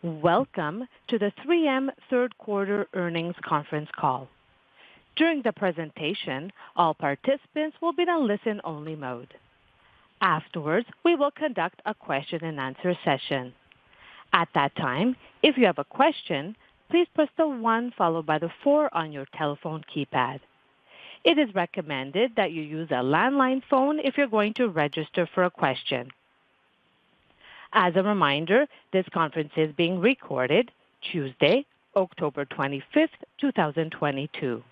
Welcome to the 3M third quarter earnings conference call. During the presentation, all participants will be in a listen-only mode. Afterwards, we will conduct a question-and-answer session. At that time, if you have a question, please press the one followed by the four on your telephone keypad. It is recommended that you use a landline phone if you're going to register for a question. As a reminder, this conference is being recorded Tuesday, October 25, 2022.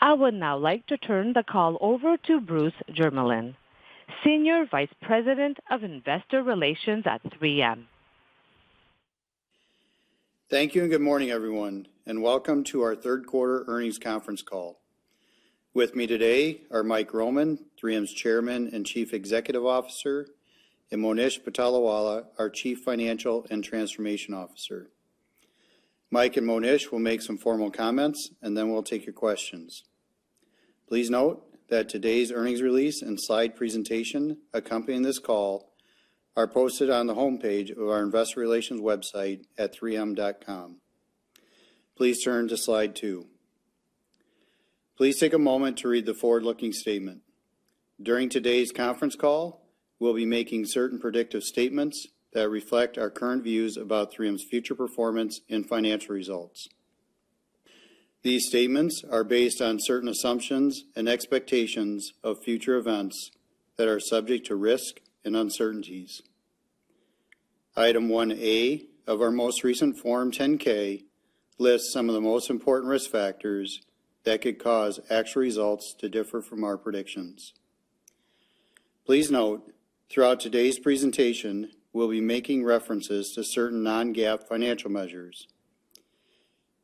I would now like to turn the call over to Bruce Jermeland, Senior Vice President of Investor Relations at 3M. Thank you, and good morning, everyone, and welcome to our third quarter earnings conference call. With me today are Mike Roman, 3M's Chairman and Chief Executive Officer, and Monish Patolawala, our Chief Financial and Transformation Officer. Mike and Monish will make some formal comments, and then we'll take your questions. Please note that today's earnings release and slide presentation accompanying this call are posted on the homepage of our investor relations website at 3M.com. Please turn to slide two. Please take a moment to read the forward-looking statement. During today's conference call, we'll be making certain predictive statements that reflect our current views about 3M's future performance and financial results. These statements are based on certain assumptions and expectations of future events that are subject to risk and uncertainties. Item 1A of our most recent Form 10-K lists some of the most important risk factors that could cause actual results to differ from our predictions. Please note throughout today's presentation, we'll be making references to certain non-GAAP financial measures.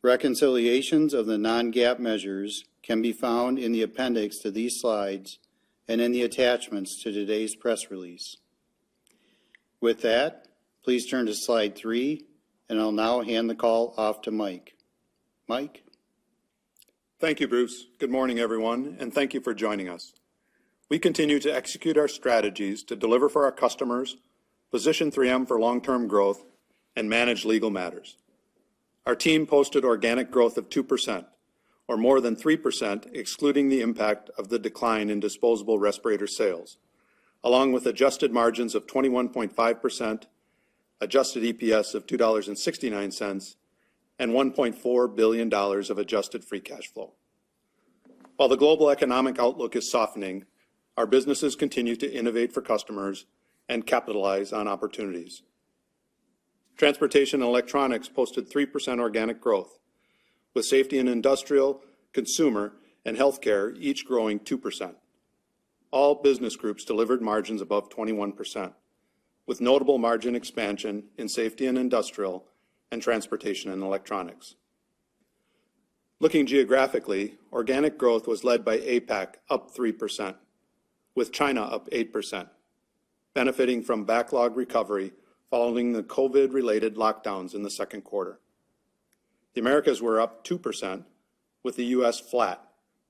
Reconciliations of the non-GAAP measures can be found in the appendix to these slides and in the attachments to today's press release. With that, please turn to slide three, and I'll now hand the call off to Mike. Mike. Thank you, Bruce. Good morning, everyone, and thank you for joining us. We continue to execute our strategies to deliver for our customers, position 3M for long-term growth and manage legal matters. Our team posted organic growth of 2% or more than 3%, excluding the impact of the decline in disposable respirator sales, along with adjusted margins of 21.5%, adjusted EPS of $2.69, and $1.4 billion of adjusted free cash flow. While the global economic outlook is softening, our businesses continue to innovate for customers and capitalize on opportunities. Transportation and Electronics posted 3% organic growth, with Safety and Industrial, Consumer, and Healthcare each growing 2%. All business groups delivered margins above 21%, with notable margin expansion in Safety and Industrial and Transportation and Electronics. Looking geographically, organic growth was led by APAC, up 3%, with China up 8%, benefiting from backlog recovery following the COVID-related lockdowns in the second quarter. The Americas were up 2%, with the U.S. flat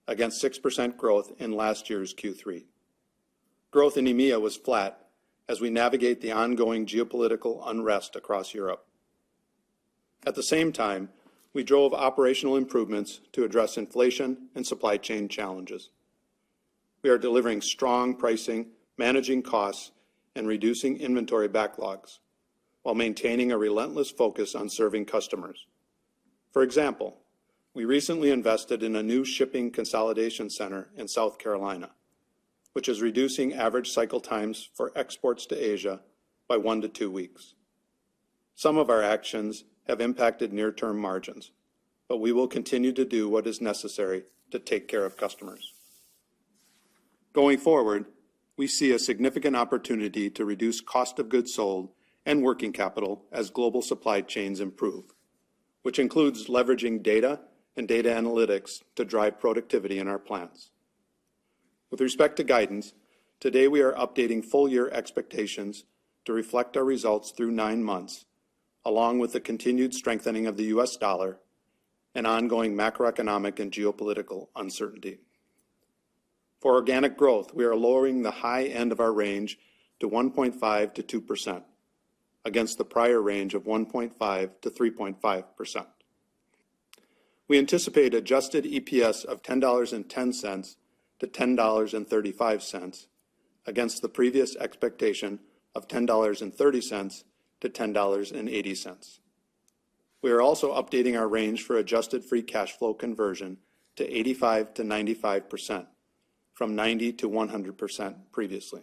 against 6% growth in last year's Q3. Growth in EMEA was flat as we navigate the ongoing geopolitical unrest across Europe. At the same time, we drove operational improvements to address inflation and supply chain challenges. We are delivering strong pricing, managing costs, and reducing inventory backlogs while maintaining a relentless focus on serving customers. For example, we recently invested in a new shipping consolidation center in South Carolina, which is reducing average cycle times for exports to Asia by one to two weeks. Some of our actions have impacted near-term margins, but we will continue to do what is necessary to take care of customers. Going forward, we see a significant opportunity to reduce cost of goods sold and working capital as global supply chains improve, which includes leveraging data and data analytics to drive productivity in our plants. With respect to guidance, today we are updating full-year expectations to reflect our results through nine months, along with the continued strengthening of the U.S. dollar and ongoing macroeconomic and geopolitical uncertainty. For organic growth, we are lowering the high end of our range to 1.5%-2% against the prior range of 1.5%-3.5%. We anticipate adjusted EPS of $10.10-$10.35 against the previous expectation of $10.30-$10.80. We are also updating our range for adjusted free cash flow conversion to 85%-95% from 90%-100% previously.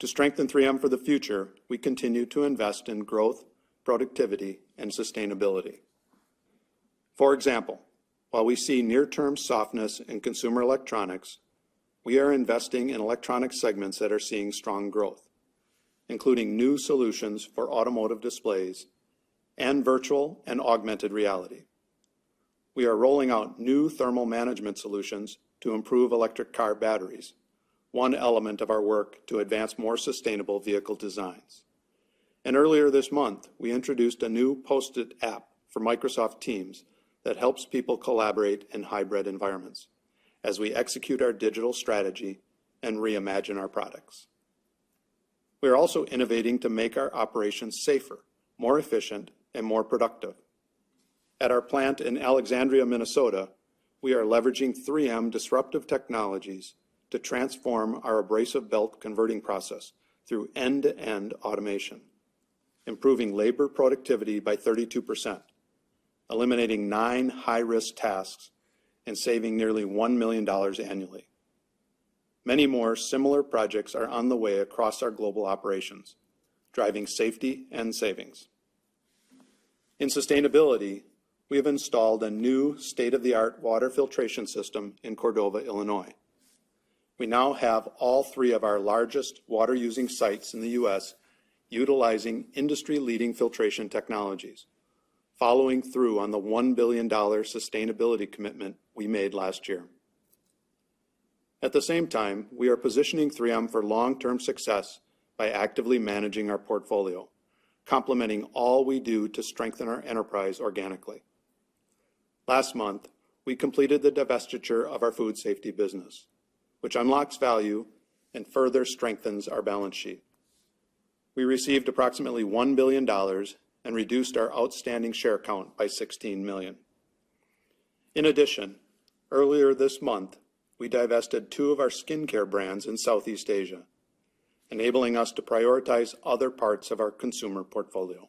To strengthen 3M for the future, we continue to invest in growth, productivity and sustainability. For example, while we see near-term softness in consumer electronics, we are investing in electronic segments that are seeing strong growth, including new solutions for automotive displays and virtual and augmented reality. We are rolling out new thermal management solutions to improve electric car batteries, one element of our work to advance more sustainable vehicle designs. Earlier this month, we introduced a new Post-it app for Microsoft Teams that helps people collaborate in hybrid environments. As we execute our digital strategy and reimagine our products, we are also innovating to make our operations safer, more efficient, and more productive. At our plant in Alexandria, Minnesota, we are leveraging 3M disruptive technologies to transform our abrasive belt converting process through end-to-end automation, improving labor productivity by 32%, eliminating nine high-risk tasks, and saving nearly $1 million annually. Many more similar projects are on the way across our global operations, driving safety and savings. In sustainability, we have installed a new state-of-the-art water filtration system in Cordova, Illinois. We now have all three of our largest water-using sites in the U.S. utilizing industry-leading filtration technologies, following through on the $1 billion sustainability commitment we made last year. At the same time, we are positioning 3M for long-term success by actively managing our portfolio, complementing all we do to strengthen our enterprise organically. Last month, we completed the divestiture of our food safety business, which unlocks value and further strengthens our balance sheet. We received approximately $1 billion and reduced our outstanding share count by 16 million. In addition, earlier this month, we divested two of our skincare brands in Southeast Asia, enabling us to prioritize other parts of our consumer portfolio.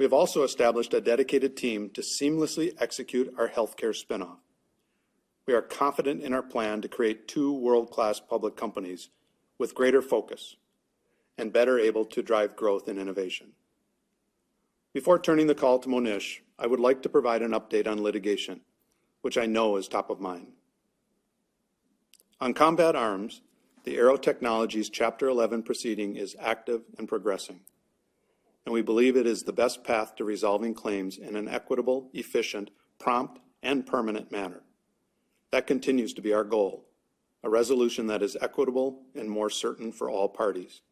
We have also established a dedicated team to seamlessly execute our healthcare spin-off. We are confident in our plan to create two world-class public companies with greater focus and better able to drive growth and innovation. Before turning the call to Monish, I would like to provide an update on litigation, which I know is top of mind. On combat arms, the Aearo Technologies Chapter 11 proceeding is active and progressing, and we believe it is the best path to resolving claims in an equitable, efficient, prompt, and permanent manner. That continues to be our goal, a resolution that is equitable and more certain for all parties.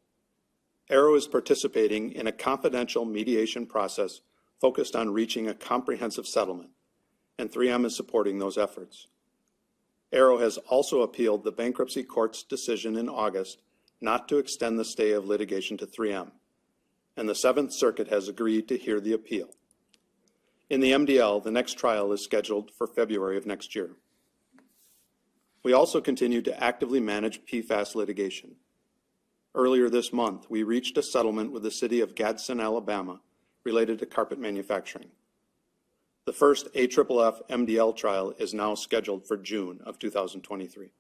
Aearo is participating in a confidential mediation process focused on reaching a comprehensive settlement, and 3M is supporting those efforts. Aearo has also appealed the bankruptcy court's decision in August not to extend the stay of litigation to 3M, and the Seventh Circuit has agreed to hear the appeal. In the MDL, the next trial is scheduled for February of next year. We also continue to actively manage PFAS litigation. Earlier this month, we reached a settlement with the City of Gadsden, Alabama, related to carpet manufacturing. The first AFFF MDL trial is now scheduled for June of 2023.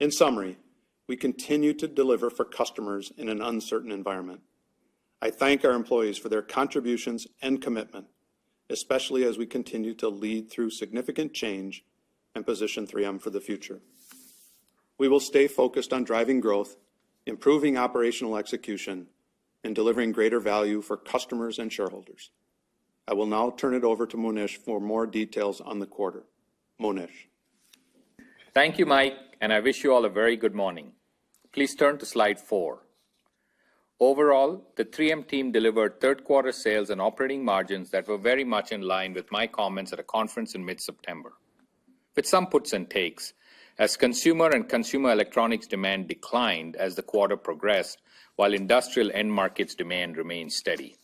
In summary, we continue to deliver for customers in an uncertain environment. I thank our employees for their contributions and commitment, especially as we continue to lead through significant change and position 3M for the future. We will stay focused on driving growth, improving operational execution, and delivering greater value for customers and shareholders. I will now turn it over to Monish for more details on the quarter. Monish. Thank you, Mike, and I wish you all a very good morning. Please turn to slide four. Overall, the 3M team delivered third-quarter sales and operating margins that were very much in line with my comments at a conference in mid-September. With some puts and takes, consumer and consumer electronics demand declined as the quarter progressed, while industrial end markets demand remained steady.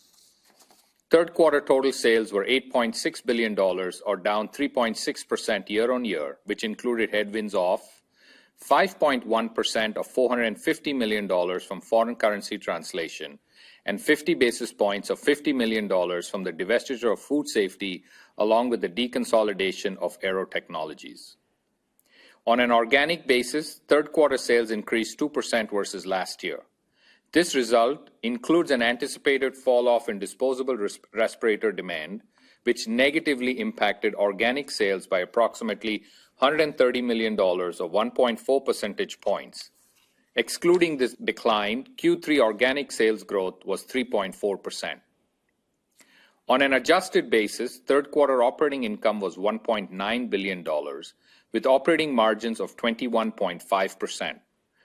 Third-quarter total sales were $8.6 billion or down 3.6% year-on-year, which included headwinds of 5.1% of $450 million from foreign currency translation and 50 basis points of $50 million from the divestiture of Food Safety, along with the deconsolidation of Aearo Technologies. On an organic basis, third-quarter sales increased 2% versus last year. This result includes an anticipated falloff in disposable respirator demand, which negatively impacted organic sales by approximately $130 million or 1.4 percentage points. Excluding this decline, Q3 organic sales growth was 3.4%. On an adjusted basis, third-quarter operating income was $1.9 billion, with operating margins of 21.5%,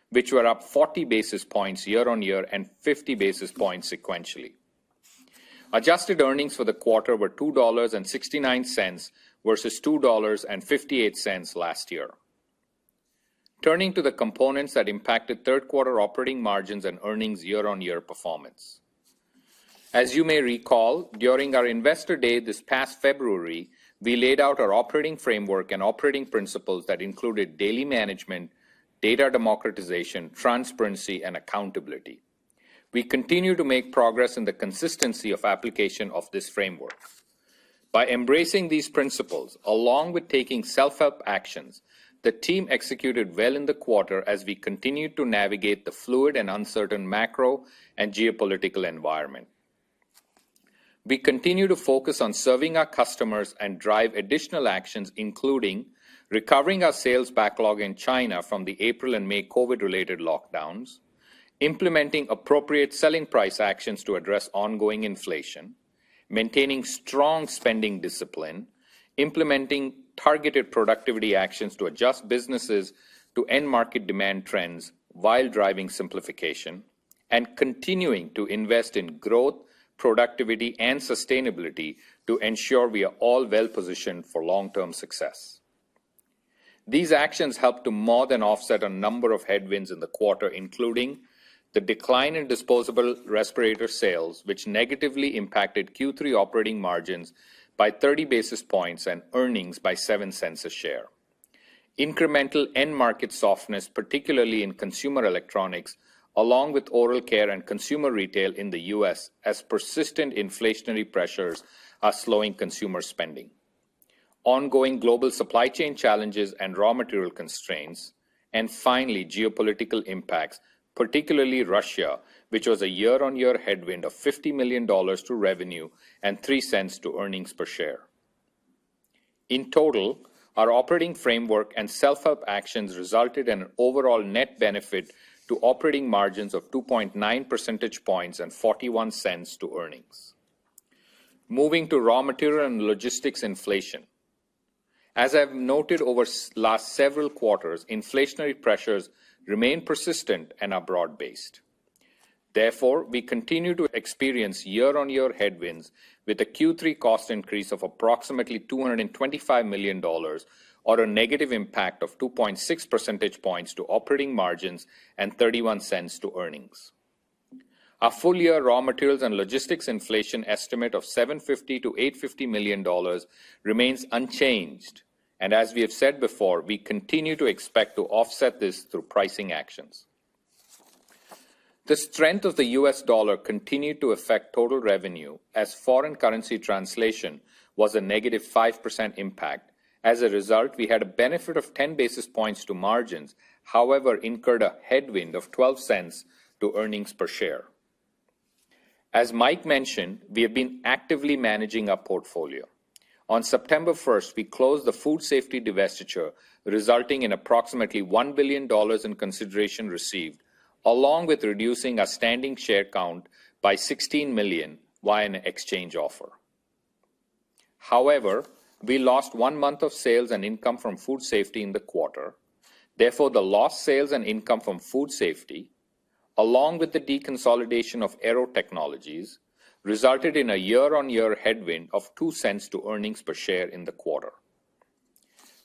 which were up 40 basis points year-on-year and 50 basis points sequentially. Adjusted earnings for the quarter were $2.69 versus $2.58 last year. Turning to the components that impacted third-quarter operating margins and earnings year-on-year performance. As you may recall, during our Investor Day this past February, we laid out our operating framework and operating principles that included daily management, data democratization, transparency, and accountability. We continue to make progress in the consistency of application of this framework. By embracing these principles along with taking self-help actions, the team executed well in the quarter as we continued to navigate the fluid and uncertain macro and geopolitical environment. We continue to focus on serving our customers and drive additional actions, including recovering our sales backlog in China from the April and May COVID-related lockdowns, implementing appropriate selling price actions to address ongoing inflation, maintaining strong spending discipline, implementing targeted productivity actions to adjust businesses to end market demand trends while driving simplification. Continuing to invest in growth, productivity, and sustainability to ensure we are all well-positioned for long-term success. These actions help to more than offset a number of headwinds in the quarter, including the decline in disposable respirator sales, which negatively impacted Q3 operating margins by 30 basis points and earnings by $0.07 a share. Incremental end market softness, particularly in consumer electronics, along with oral care and consumer retail in the U.S. as persistent inflationary pressures are slowing consumer spending. Ongoing global supply chain challenges and raw material constraints, and finally, geopolitical impacts, particularly Russia, which was a year-on-year headwind of $50 million to revenue and $0.03 to earnings per share. In total, our operating framework and self-help actions resulted in an overall net benefit to operating margins of 2.9 percentage points and $0.41 to earnings. Moving to raw material and logistics inflation. As I've noted over the last several quarters, inflationary pressures remain persistent and are broad-based. Therefore, we continue to experience year-on-year headwinds with a Q3 cost increase of approximately $225 million or a negative impact of 2.6 percentage points to operating margins and $0.31 to earnings. Our full-year raw materials and logistics inflation estimate of $750 million-$850 million remains unchanged, and as we have said before, we continue to expect to offset this through pricing actions. The strength of the U.S. dollar continued to affect total revenue as foreign currency translation was a negative 5% impact. As a result, we had a benefit of 10 basis points to margins, however, incurred a headwind of $0.12 to earnings per share. As Mike mentioned, we have been actively managing our portfolio. On September first, we closed the Food Safety divestiture, resulting in approximately $1 billion in consideration received, along with reducing our standing share count by 16 million via an exchange offer. However, we lost one month of sales and income from Food Safety in the quarter. Therefore, the lost sales and income from Food Safety, along with the deconsolidation of Aearo Technologies, resulted in a year-on-year headwind of $0.02 to earnings per share in the quarter.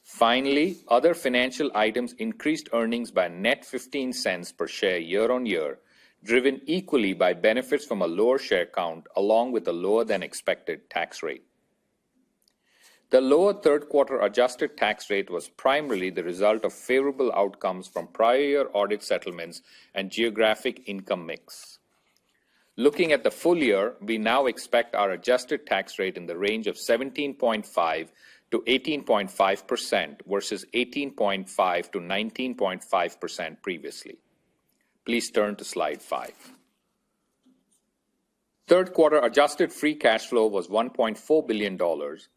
Finally, other financial items increased earnings by net $0.15 per share year-on-year, driven equally by benefits from a lower share count along with a lower than expected tax rate. The lower third quarter adjusted tax rate was primarily the result of favorable outcomes from prior audit settlements and geographic income mix. Looking at the full-year, we now expect our adjusted tax rate in the range of 17.5%-18.5%, versus 18.5%-19.5% previously. Please turn to slide five. Third quarter adjusted free cash flow was $1.4 billion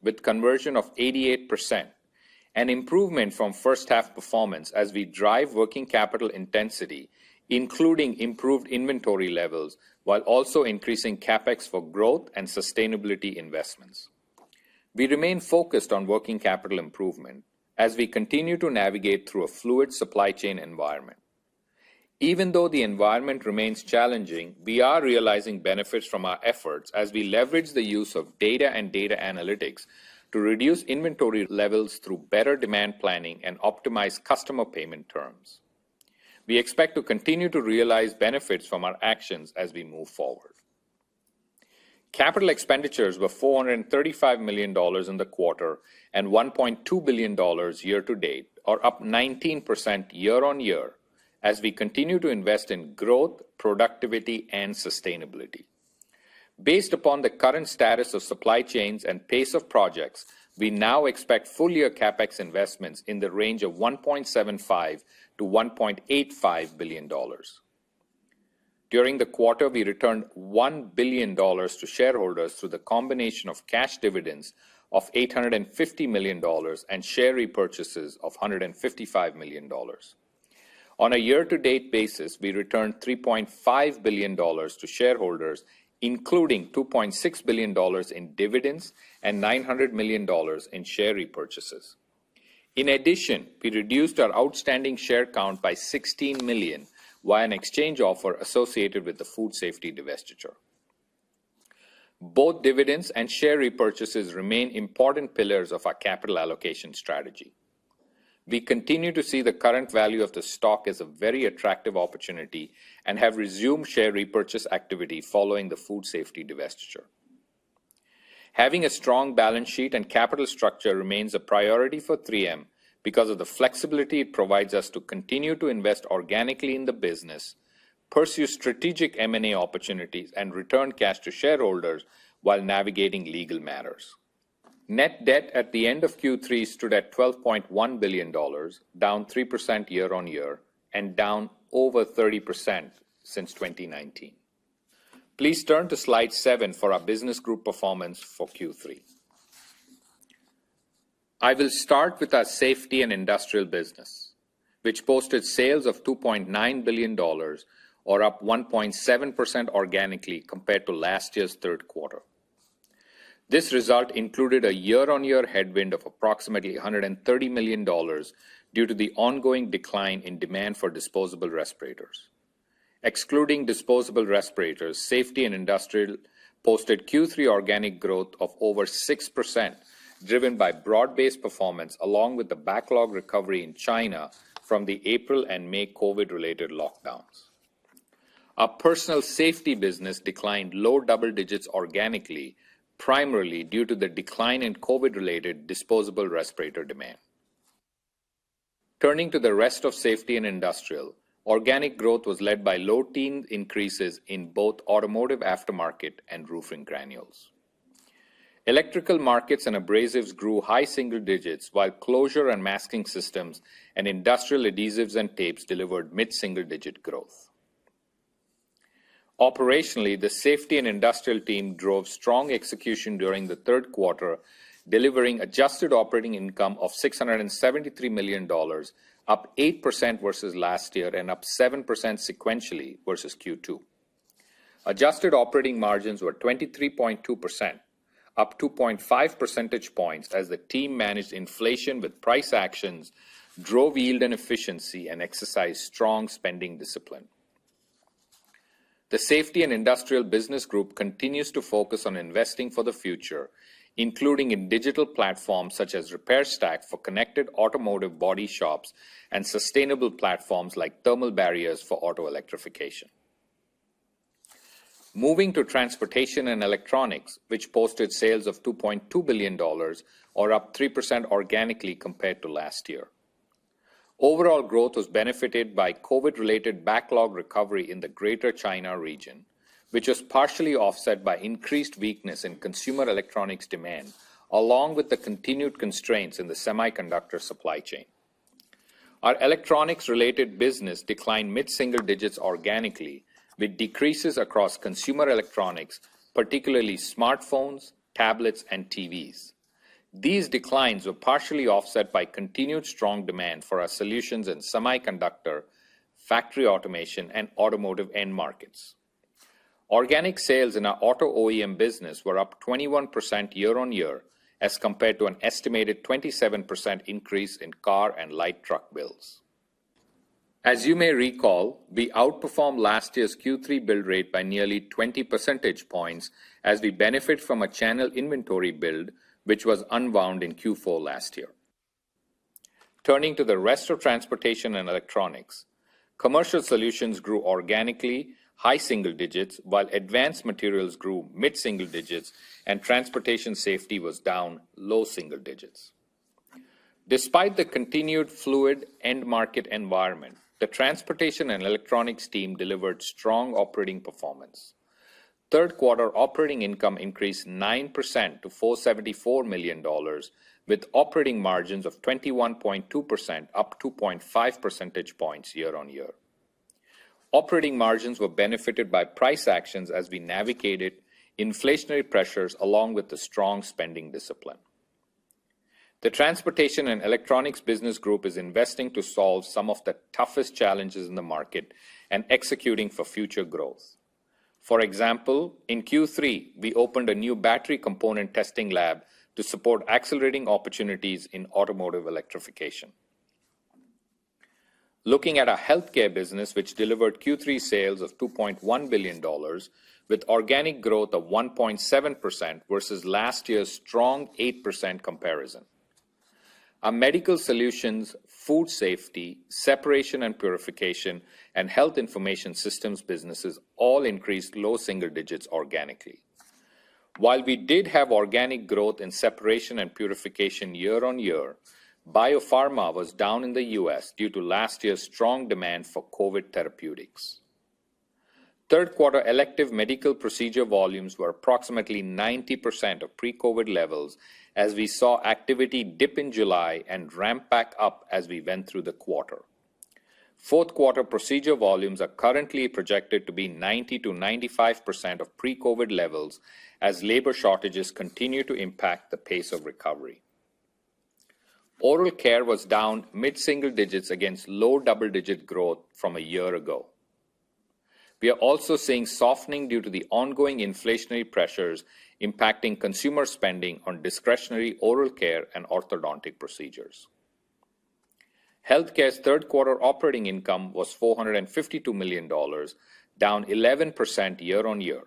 with conversion of 88%. An improvement from first half performance as we drive working capital intensity, including improved inventory levels, while also increasing CapEx for growth and sustainability investments. We remain focused on working capital improvement as we continue to navigate through a fluid supply chain environment. Even though the environment remains challenging, we are realizing benefits from our efforts as we leverage the use of data and data analytics to reduce inventory levels through better demand planning and optimize customer payment terms. We expect to continue to realize benefits from our actions as we move forward. Capital expenditures were $435 million in the quarter and $1.2 billion year-to-date, or up 19% year-on-year as we continue to invest in growth, productivity, and sustainability. Based upon the current status of supply chains and pace of projects, we now expect full-year CapEx investments in the range of $1.75-$1.85 billion. During the quarter, we returned $1 billion to shareholders through the combination of cash dividends of $850 million and share repurchases of $155 million. On a year-to-date basis, we returned $3.5 billion to shareholders, including $2.6 billion in dividends and $900 million in share repurchases. In addition, we reduced our outstanding share count by 16 million via an exchange offer associated with the Food Safety divestiture. Both dividends and share repurchases remain important pillars of our capital allocation strategy. We continue to see the current value of the stock as a very attractive opportunity and have resumed share repurchase activity following the Food Safety divestiture. Having a strong balance sheet and capital structure remains a priority for 3M because of the flexibility it provides us to continue to invest organically in the business, pursue strategic M&A opportunities, and return cash to shareholders while navigating legal matters. Net debt at the end of Q3 stood at $12.1 billion, down 3% year-on-year and down over 30% since 2019. Please turn to slide 7 for our business group performance for Q3. I will start with our Safety & Industrial business, which posted sales of $2.9 billion or up 1.7% organically compared to last year's third quarter. This result included a year-on-year headwind of approximately $130 million due to the ongoing decline in demand for disposable respirators. Excluding disposable respirators, Safety & Industrial posted Q3 organic growth of over 6%, driven by broad-based performance along with the backlog recovery in China from the April and May COVID-related lockdowns. Our personal safety business declined low double digits organically, primarily due to the decline in COVID-related disposable respirator demand. Turning to the rest of Safety & Industrial, organic growth was led by low-teens increases in both automotive aftermarket and roofing granules. Electrical markets and abrasives grew high-single-digits while closure and masking systems and industrial adhesives and tapes delivered mid-single-digit growth. Operationally, the Safety & Industrial team drove strong execution during the third quarter, delivering adjusted operating income of $673 million, up 8% versus last year and up 7% sequentially versus Q2. Adjusted operating margins were 23.2%, up 2.5 percentage points as the team managed inflation with price actions, drove yield and efficiency, and exercised strong spending discipline. The Safety & Industrial Business Group continues to focus on investing for the future, including in digital platforms such as RepairStack for connected automotive body shops and sustainable platforms like thermal barriers for auto electrification. Moving to Transportation & Electronics, which posted sales of $2.2 billion or up 3% organically compared to last year. Overall growth was benefited by COVID-related backlog recovery in the Greater China region, which was partially offset by increased weakness in consumer electronics demand, along with the continued constraints in the semiconductor supply chain. Our electronics-related business declined mid-single digits organically, with decreases across consumer electronics, particularly smartphones, tablets, and TVs. These declines were partially offset by continued strong demand for our solutions in semiconductor, factory automation, and automotive end markets. Organic sales in our auto OEM business were up 21% year-on-year as compared to an estimated 27% increase in car and light truck builds. As you may recall, we outperformed last year's Q3 build rate by nearly 20 percentage points as we benefit from a channel inventory build which was unwound in Q4 last year. Turning to the rest of Transportation and Electronics, Commercial Solutions grew organically high single digits, while Advanced Materials grew mid-single digits and Transportation Safety was down low single digits. Despite the continued fluid end market environment, the Transportation and Electronics team delivered strong operating performance. Third quarter operating income increased 9% to $474 million with operating margins of 21.2%, up 2.5 percentage points year-on-year. Operating margins were benefited by price actions as we navigated inflationary pressures along with the strong spending discipline. The Transportation and Electronics Business Group is investing to solve some of the toughest challenges in the market and executing for future growth. For example, in Q3, we opened a new battery component testing lab to support accelerating opportunities in automotive electrification. Looking at our Healthcare business, which delivered Q3 sales of $2.1 billion with organic growth of 1.7% versus last year's strong 8% comparison. Our medical solutions, food safety, separation and purification, and health information systems businesses all increased low single digits organically. While we did have organic growth in separation and purification year-over-year, biopharma was down in the U.S. due to last year's strong demand for COVID therapeutics. Third quarter elective medical procedure volumes were approximately 90% of pre-COVID levels as we saw activity dip in July and ramp back up as we went through the quarter. Fourth quarter procedure volumes are currently projected to be 90%-95% of pre-COVID levels as labor shortages continue to impact the pace of recovery. Oral care was down mid-single digits against low double-digit growth from a year ago. We are also seeing softening due to the ongoing inflationary pressures impacting consumer spending on discretionary oral care and orthodontic procedures. Healthcare's third quarter operating income was $452 million, down 11% year-over-year.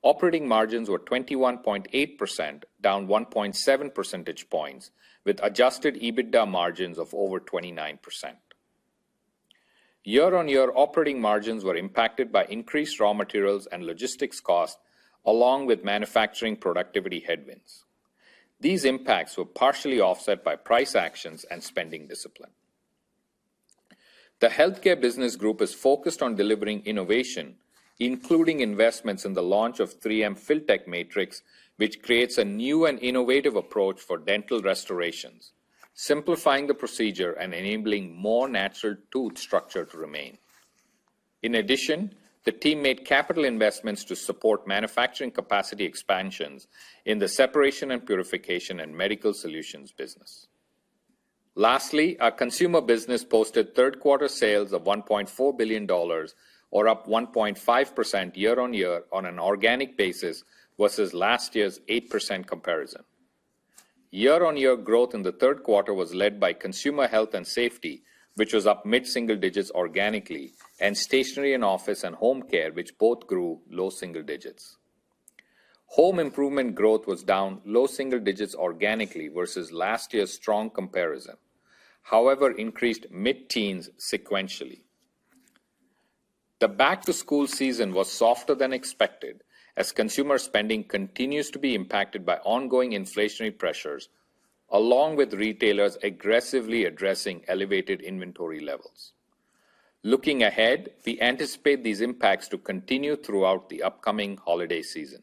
Operating margins were 21.8%, down 1.7 percentage points, with adjusted EBITDA margins of over 29%. Year-over-year operating margins were impacted by increased raw materials and logistics costs along with manufacturing productivity headwinds. These impacts were partially offset by price actions and spending discipline. The Healthcare Business Group is focused on delivering innovation, including investments in the launch of 3M Filtek Matrix, which creates a new and innovative approach for dental restorations, simplifying the procedure and enabling more natural tooth structure to remain. In addition, the team made capital investments to support manufacturing capacity expansions in the separation and purification and medical solutions business. Lastly, our consumer business posted third quarter sales of $1.4 billion, up 1.5% year-on-year on an organic basis, versus last year's 8% comparison. Year-on-year growth in the third quarter was led by consumer health and safety, which was up mid-single digits organically, and stationary and office and home care, which both grew low single digits. Home improvement growth was down low single digits organically versus last year's strong comparison, however, increased mid-teens sequentially. The back-to-school season was softer than expected as consumer spending continues to be impacted by ongoing inflationary pressures, along with retailers aggressively addressing elevated inventory levels. Looking ahead, we anticipate these impacts to continue throughout the upcoming holiday season.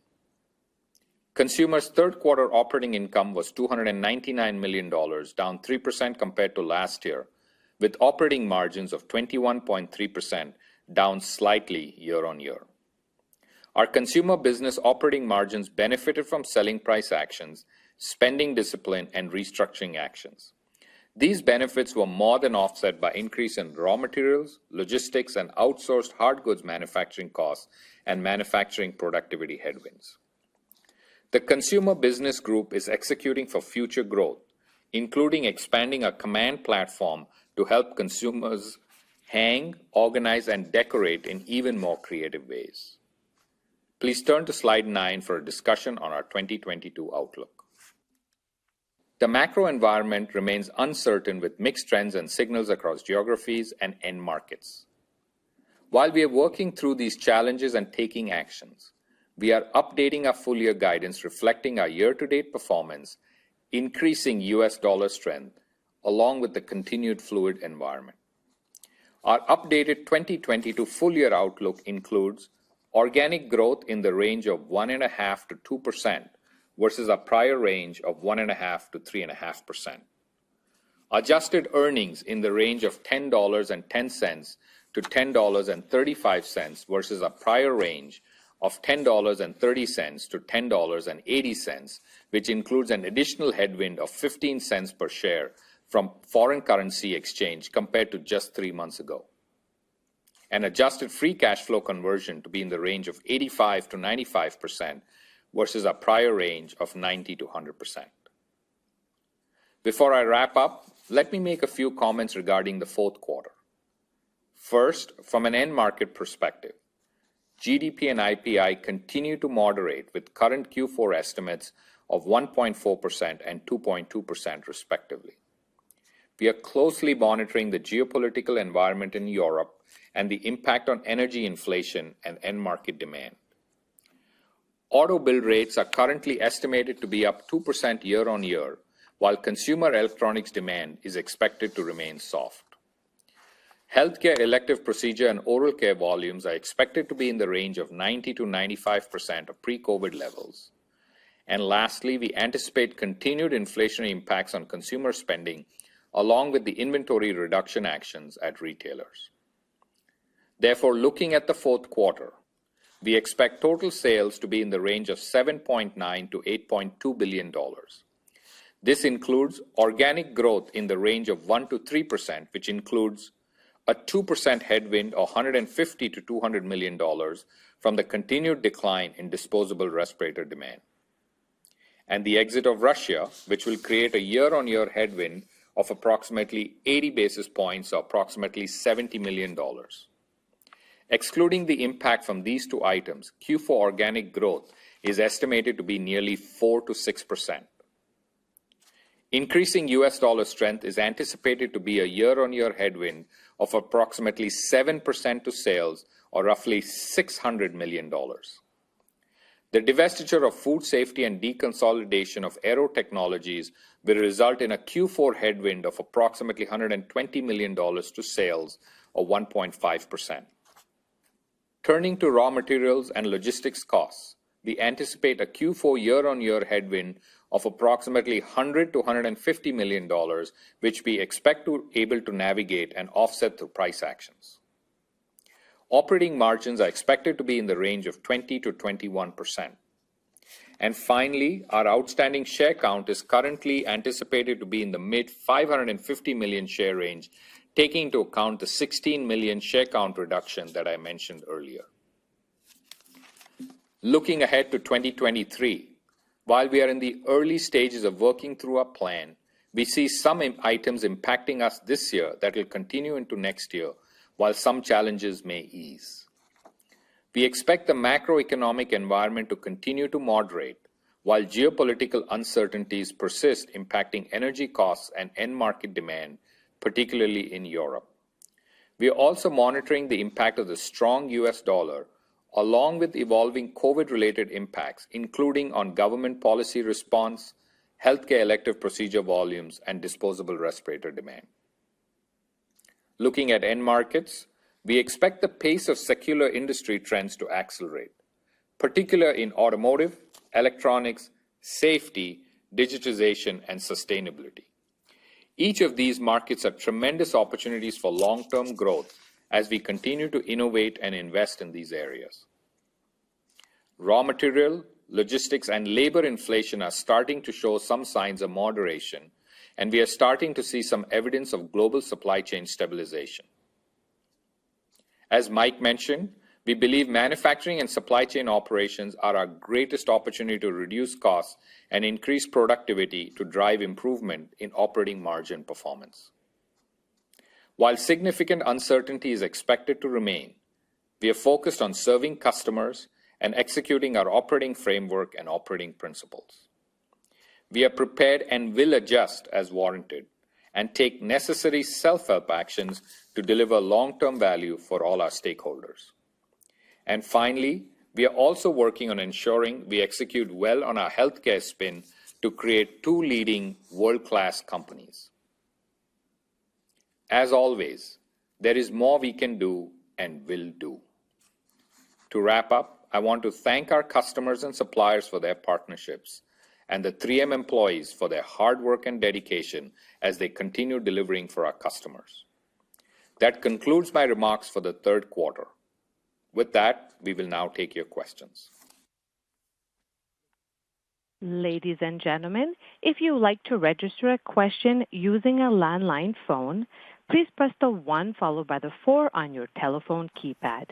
Consumer's third quarter operating income was $299 million, down 3% compared to last year, with operating margins of 21.3%, down slightly year-over-year. Our consumer business operating margins benefited from selling price actions, spending discipline, and restructuring actions. These benefits were more than offset by increase in raw materials, logistics, and outsourced hard goods manufacturing costs and manufacturing productivity headwinds. The consumer business group is executing for future growth, including expanding a Command platform to help consumers hang, organize, and decorate in even more creative ways. Please turn to slide nine for a discussion on our 2022 outlook. The macro environment remains uncertain, with mixed trends and signals across geographies and end markets. While we are working through these challenges and taking actions, we are updating our full-year guidance reflecting our year-to-date performance, increasing U.S. dollar strength, along with the continued fluid environment. Our updated 2022 full-year outlook includes organic growth in the range of 1.5%-2% versus a prior range of 1.5%-3.5%. Adjusted earnings in the range of $10.10-$10.35 versus a prior range of $10.30-$10.80, which includes an additional headwind of $0.15 per share from foreign currency exchange compared to just three months ago. An adjusted free cash flow conversion to be in the range of 85%-95% versus a prior range of 90%-100%. Before I wrap up, let me make a few comments regarding the fourth quarter. First, from an end market perspective, GDP and IPI continue to moderate with current Q4 estimates of 1.4% and 2.2% respectively. We are closely monitoring the geopolitical environment in Europe and the impact on energy inflation and end market demand. Auto bill rates are currently estimated to be up 2% year-on-year, while consumer electronics demand is expected to remain soft. Healthcare elective procedure and oral care volumes are expected to be in the range of 90%-95% of pre-COVID levels. Lastly, we anticipate continued inflationary impacts on consumer spending, along with the inventory reduction actions at retailers. Therefore, looking at the fourth quarter, we expect total sales to be in the range of $7.9 billion-$8.2 billion. This includes organic growth in the range of 1%-3%, which includes a 2% headwind of $150 million-$200 million from the continued decline in disposable respirator demand, the exit of Russia, which will create a year-on-year headwind of approximately 80 basis points or approximately $70 million. Excluding the impact from these two items, Q4 organic growth is estimated to be nearly 4%-6%. Increasing U.S. dollar strength is anticipated to be a year-on-year headwind of approximately 7% to sales or roughly $600 million. The divestiture of Food Safety and deconsolidation of Aearo Technologies will result in a Q4 headwind of approximately $120 million to sales of 1.5%. Turning to raw materials and logistics costs, we anticipate a Q4 year-on-year headwind of approximately $100 million-$150 million, which we expect to be able to navigate and offset through price actions. Operating margins are expected to be in the range of 20%-21%. Finally, our outstanding share count is currently anticipated to be in the mid-550 million share range, taking into account the 16 million share count reduction that I mentioned earlier. Looking ahead to 2023, while we are in the early stages of working through our plan, we see some items impacting us this year that will continue into next year, while some challenges may ease. We expect the macroeconomic environment to continue to moderate while geopolitical uncertainties persist, impacting energy costs and end market demand, particularly in Europe. We are also monitoring the impact of the strong U.S. dollar along with evolving COVID-related impacts, including on government policy response, healthcare elective procedure volumes, and disposable respirator demand. Looking at end markets, we expect the pace of secular industry trends to accelerate, particularly in automotive, electronics, safety, digitization, and sustainability. Each of these markets have tremendous opportunities for long-term growth as we continue to innovate and invest in these areas. Raw material, logistics, and labor inflation are starting to show some signs of moderation, and we are starting to see some evidence of global supply chain stabilization. As Mike mentioned, we believe manufacturing and supply chain operations are our greatest opportunity to reduce costs and increase productivity to drive improvement in operating margin performance. While significant uncertainty is expected to remain, we are focused on serving customers and executing our operating framework and operating principles. We are prepared and will adjust as warranted and take necessary self-help actions to deliver long-term value for all our stakeholders. Finally, we are also working on ensuring we execute well on our healthcare spin to create two leading world-class companies. As always, there is more we can do and will do. To wrap up, I want to thank our customers and suppliers for their partnerships and the 3M employees for their hard work and dedication as they continue delivering for our customers. That concludes my remarks for the third quarter. With that, we will now take your questions. Ladies and gentlemen, if you would like to register a question using a landline phone, please press the one followed by the four on your telephone keypad.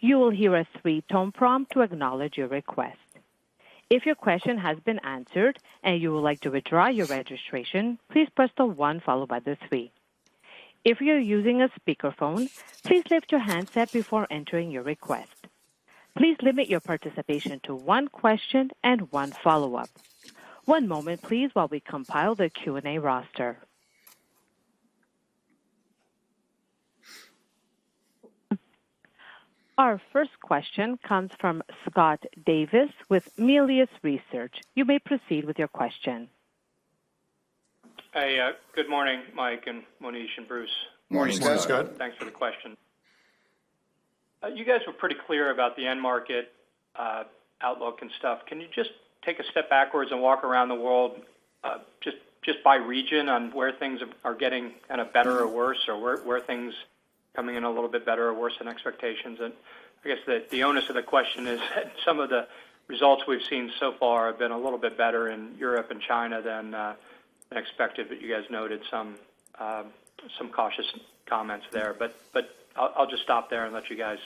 You will hear a three-tone prompt to acknowledge your request. If your question has been answered and you would like to withdraw your registration, please press the one followed by the three. If you're using a speakerphone, please lift your handset before entering your request. Please limit your participation to one question and one follow-up. One moment, please, while we compile the Q&A roster. Our first question comes from Scott Davis with Melius Research. You may proceed with your question. Hey, good morning, Mike and Monish and Bruce. Morning, Scott. Thanks for the question. You guys were pretty clear about the end market outlook and stuff. Can you just take a step backwards and walk around the world just by region on where things are getting kind of better or worse, or where things coming in a little bit better or worse than expectations? I guess the onus of the question is some of the results we've seen so far have been a little bit better in Europe and China than expected. You guys noted some cautious comments there. I'll just stop there and let you guys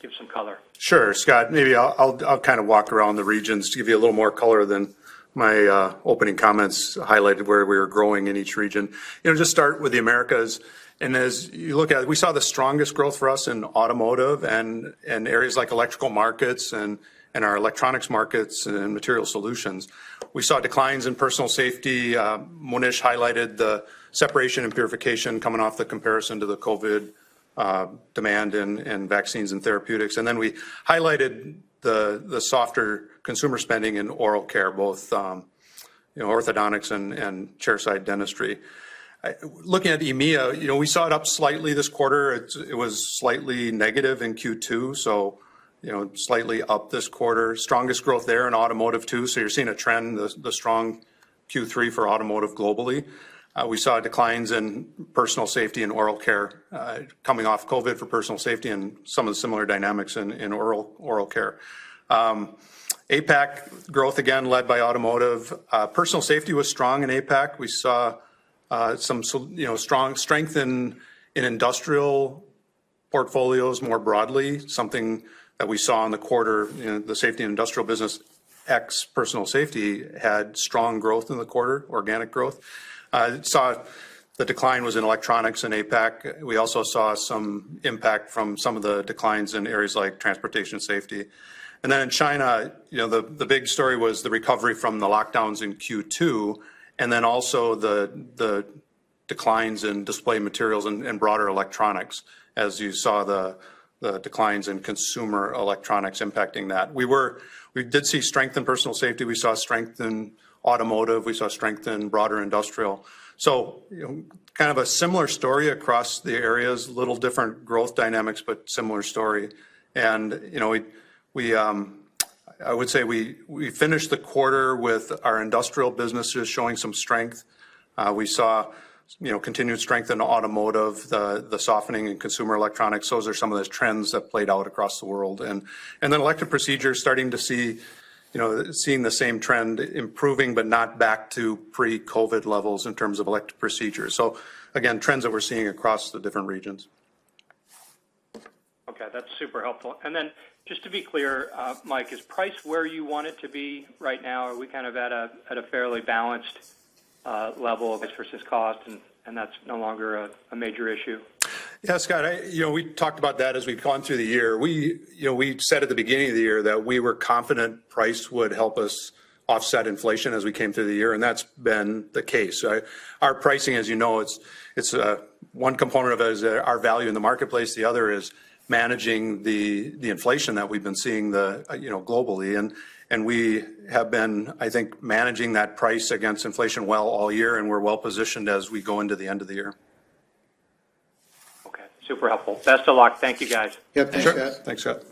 give some color. Sure, Scott, maybe I'll kind of walk around the regions to give you a little more color than my opening comments highlighted where we were growing in each region. You know, just start with the Americas, and as you look at it, we saw the strongest growth for us in automotive and areas like electrical markets and our electronics markets and material solutions. We saw declines in personal safety. Monish highlighted the separation and purification coming off the comparison to the COVID demand and vaccines and therapeutics. Then we highlighted the softer consumer spending in oral care, both you know, orthodontics and chairside dentistry. Looking at EMEA, you know, we saw it up slightly this quarter. It was slightly negative in Q2, so you know, slightly up this quarter. Strongest growth there in automotive too. You're seeing a trend, the strong Q3 for automotive globally. We saw declines in personal safety and oral care, coming off COVID for personal safety and some of the similar dynamics in oral care. APAC growth, again, led by automotive. Personal safety was strong in APAC. We saw some, you know, strong strength in industrial portfolios more broadly, something that we saw in the quarter in the Safety and Industrial business. Ex-personal safety had strong growth in the quarter, organic growth. Saw the decline was in electronics in APAC. We also saw some impact from some of the declines in areas like transportation safety. Then in China, you know, the big story was the recovery from the lockdowns in Q2, and then also the declines in display materials and broader electronics, as you saw the declines in consumer electronics impacting that. We did see strength in personal safety. We saw strength in automotive. We saw strength in broader industrial. So, you know, kind of a similar story across the areas, a little different growth dynamics, but similar story. You know, we finished the quarter with our industrial businesses showing some strength. We saw, you know, continued strength in automotive, the softening in consumer electronics. Those are some of the trends that played out across the world. Then elective procedures starting to see, you know, seeing the same trend, improving but not back to pre-COVID levels in terms of elective procedures. Again, trends that we're seeing across the different regions. Okay, that's super helpful. Then just to be clear, Mike, is price where you want it to be right now? Are we kind of at a fairly balanced level of price versus cost and that's no longer a major issue? Yeah, Scott, you know, we talked about that as we've gone through the year. You know, we said at the beginning of the year that we were confident price would help us offset inflation as we came through the year, and that's been the case, right? Our pricing, as you know, it's one component of it is our value in the marketplace, the other is managing the inflation that we've been seeing you know, globally. We have been, I think, managing that price against inflation well all year, and we're well positioned as we go into the end of the year. Okay, super helpful. Best of luck. Thank you, guys. Yeah, thanks, Scott.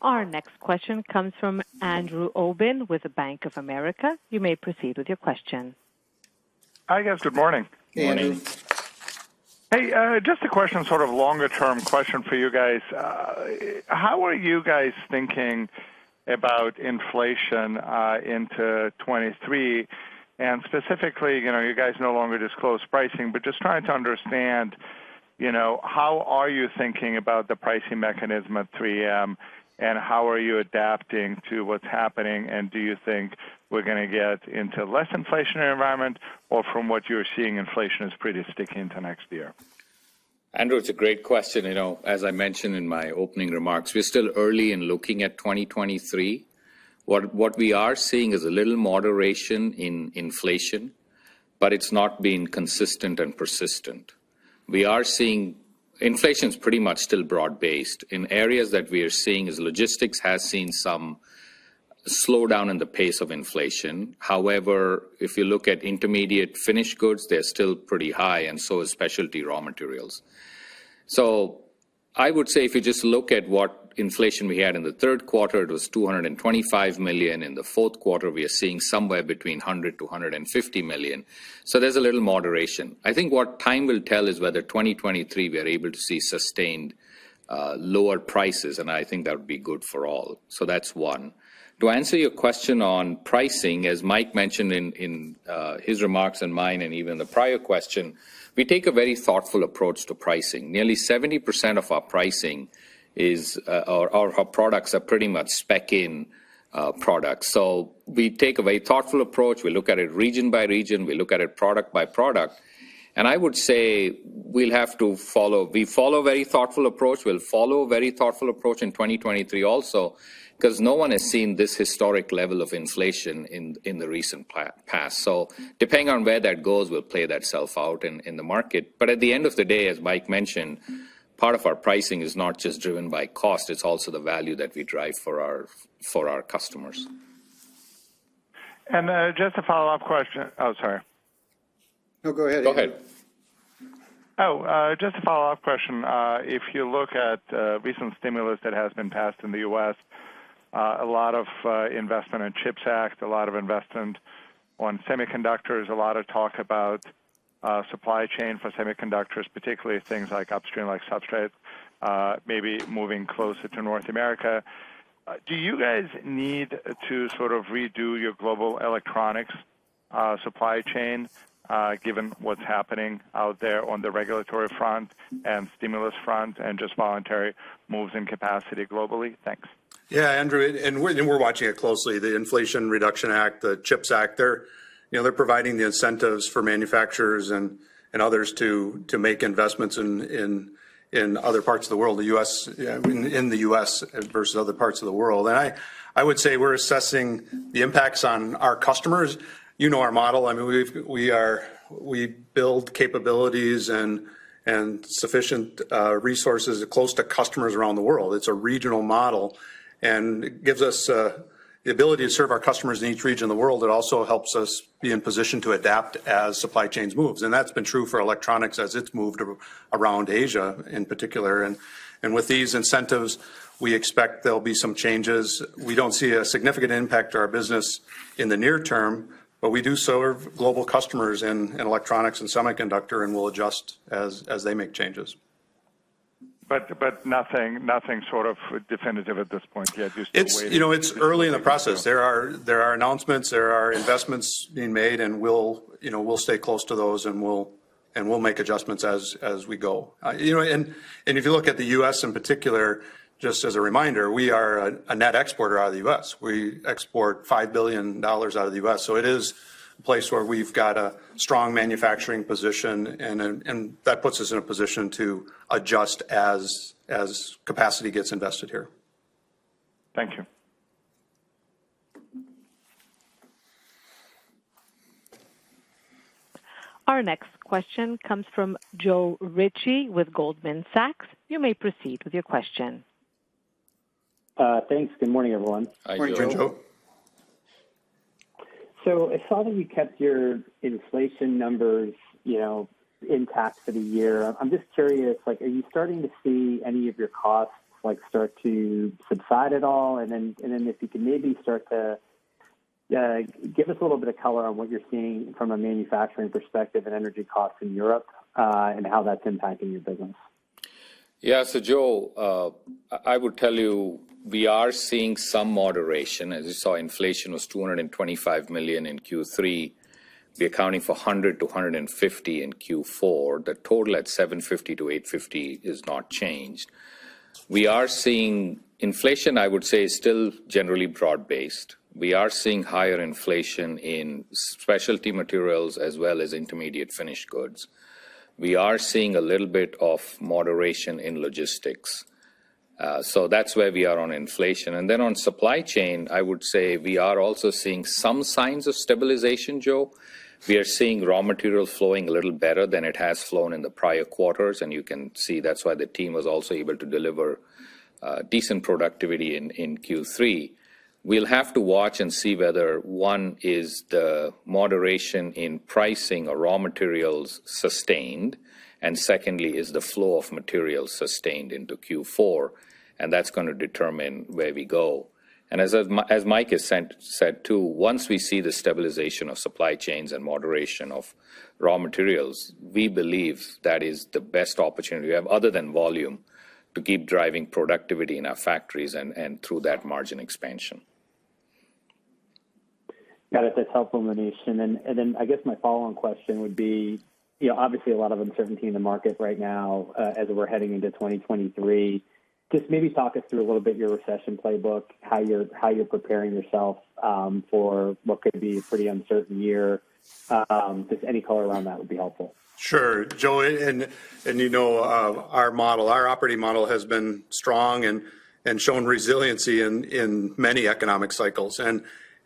Our next question comes from Andrew Obin with the Bank of America. You may proceed with your question. Hi, guys. Good morning. Good morning. Hey, just a question, sort of longer-term question for you guys. How are you guys thinking about inflation into 2023? Specifically, you know, you guys no longer disclose pricing, but just trying to understand, you know, how are you thinking about the pricing mechanism at 3M, and how are you adapting to what's happening? Do you think we're gonna get into less inflationary environment, or from what you're seeing, inflation is pretty sticky into next year? Andrew, it's a great question. You know, as I mentioned in my opening remarks, we're still early in looking at 2023. What we are seeing is a little moderation in inflation, but it's not been consistent and persistent. We are seeing. Inflation's pretty much still broad-based. In areas that we are seeing is logistics has seen some slowdown in the pace of inflation. However, if you look at intermediate finished goods, they're still pretty high, and so is specialty raw materials. I would say if you just look at what inflation we had in the third quarter, it was $225 million. In the fourth quarter, we are seeing somewhere between $100-$150 million. There's a little moderation. I think what time will tell is whether 2023 we are able to see sustained lower prices, and I think that would be good for all. That's one. To answer your question on pricing, as Mike mentioned in his remarks and mine and even the prior question, we take a very thoughtful approach to pricing. Nearly 70% of our products are pretty much spec'd in products. We take a very thoughtful approach. We look at it region by region. We look at it product by product. I would say we follow a very thoughtful approach. We'll follow a very thoughtful approach in 2023 also, 'cause no one has seen this historic level of inflation in the recent past. Depending on where that goes, will play that itself out in the market. At the end of the day, as Mike mentioned, part of our pricing is not just driven by cost, it's also the value that we drive for our customers. Just a follow-up question. Oh, sorry. No, go ahead, Andrew. Go ahead. Just a follow-up question. If you look at recent stimulus that has been passed in the U.S., a lot of investment in CHIPS Act, a lot of investment on semiconductors, a lot of talk about supply chain for semiconductors, particularly things like upstream, like substrates, maybe moving closer to North America. Do you guys need to sort of redo your global electronics supply chain, given what's happening out there on the regulatory front and stimulus front and just voluntary moves in capacity globally? Thanks. Yeah, Andrew, we're watching it closely. The Inflation Reduction Act, the CHIPS Act, they're provding the incentives for manufacturers and others to make investments in the US as versus other parts of the world. I would say we're assessing the impacts on our customers. You know our model. I mean, we build capabilities and sufficient resources close to customers around the world. It's a regional model, and it gives us the ability to serve our customers in each region of the world. It also helps us be in position to adapt as supply chains moves. That's been true for electronics as it's moved around Asia in particular. With these incentives, we expect there'll be some changes. We don't see a significant impact to our business in the near term, but we do serve global customers in electronics and semiconductor, and we'll adjust as they make changes. Nothing sort of definitive at this point yet. Just waiting. It's, you know, it's early in the process. There are announcements, there are investments being made, and we'll, you know, stay close to those, and we'll make adjustments as we go. You know, if you look at the U.S. in particular, just as a reminder, we are a net exporter out of the U.S. We export $5 billion out of the U.S. It is a place where we've got a strong manufacturing position and that puts us in a position to adjust as capacity gets invested here. Thank you. Our next question comes from Joe Ritchie with Goldman Sachs. You may proceed with your question. Thanks. Good morning, everyone. Good morning, Joe. Hi, Joe. I saw that you kept your inflation numbers, you know, intact for the year. I'm just curious, like, are you starting to see any of your costs, like, start to subside at all? If you could maybe start to give us a little bit of color on what you're seeing from a manufacturing perspective in energy costs in Europe, and how that's impacting your business. Yeah. Joe, I would tell you, we are seeing some moderation. As you saw, inflation was $225 million in Q3. We're accounting for $100-$150 million in Q4. The total at $750-$850 million is not changed. We are seeing. Inflation, I would say, is still generally broad-based. We are seeing higher inflation in specialty materials as well as intermediate finished goods. We are seeing a little bit of moderation in logistics. That's where we are on inflation. On supply chain, I would say we are also seeing some signs of stabilization, Joe. We are seeing raw materials flowing a little better than it has flowed in the prior quarters, and you can see that's why the team was also able to deliver decent productivity in Q3. We'll have to watch and see whether, one, is the moderation in pricing of raw materials sustained, and secondly, is the flow of materials sustained into Q4? That's gonna determine where we go. As Mike has said too, once we see the stabilization of supply chains and moderation of raw materials, we believe that is the best opportunity we have, other than volume, to keep driving productivity in our factories and through that margin expansion. Got it. That's helpful, Mohnish. I guess my follow-on question would be, you know, obviously a lot of uncertainty in the market right now, as we're heading into 2023. Just maybe talk us through a little bit your recession playbook, how you're preparing yourself, for what could be a pretty uncertain year. Just any color around that would be helpful. Sure. Joe, you know, our model, our operating model has been strong and shown resiliency in many economic cycles.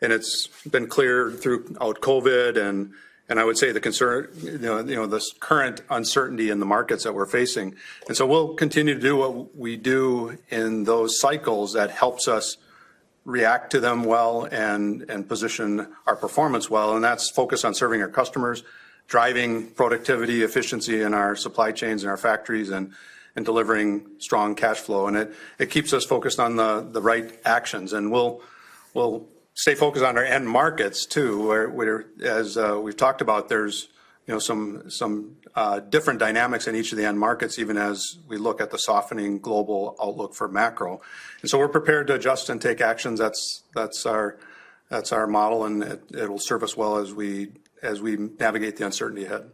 It's been clear throughout COVID and I would say the concern, you know, this current uncertainty in the markets that we're facing. We'll continue to do what we do in those cycles that helps us react to them well and position our performance well, and that's focused on serving our customers, driving productivity, efficiency in our supply chains and our factories, and delivering strong cash flow. It keeps us focused on the right actions. We'll stay focused on our end markets too, whereas we've talked about, there's you know some different dynamics in each of the end markets, even as we look at the softening global outlook for macro. We're prepared to adjust and take actions. That's our model, and it'll serve us well as we navigate the uncertainty ahead.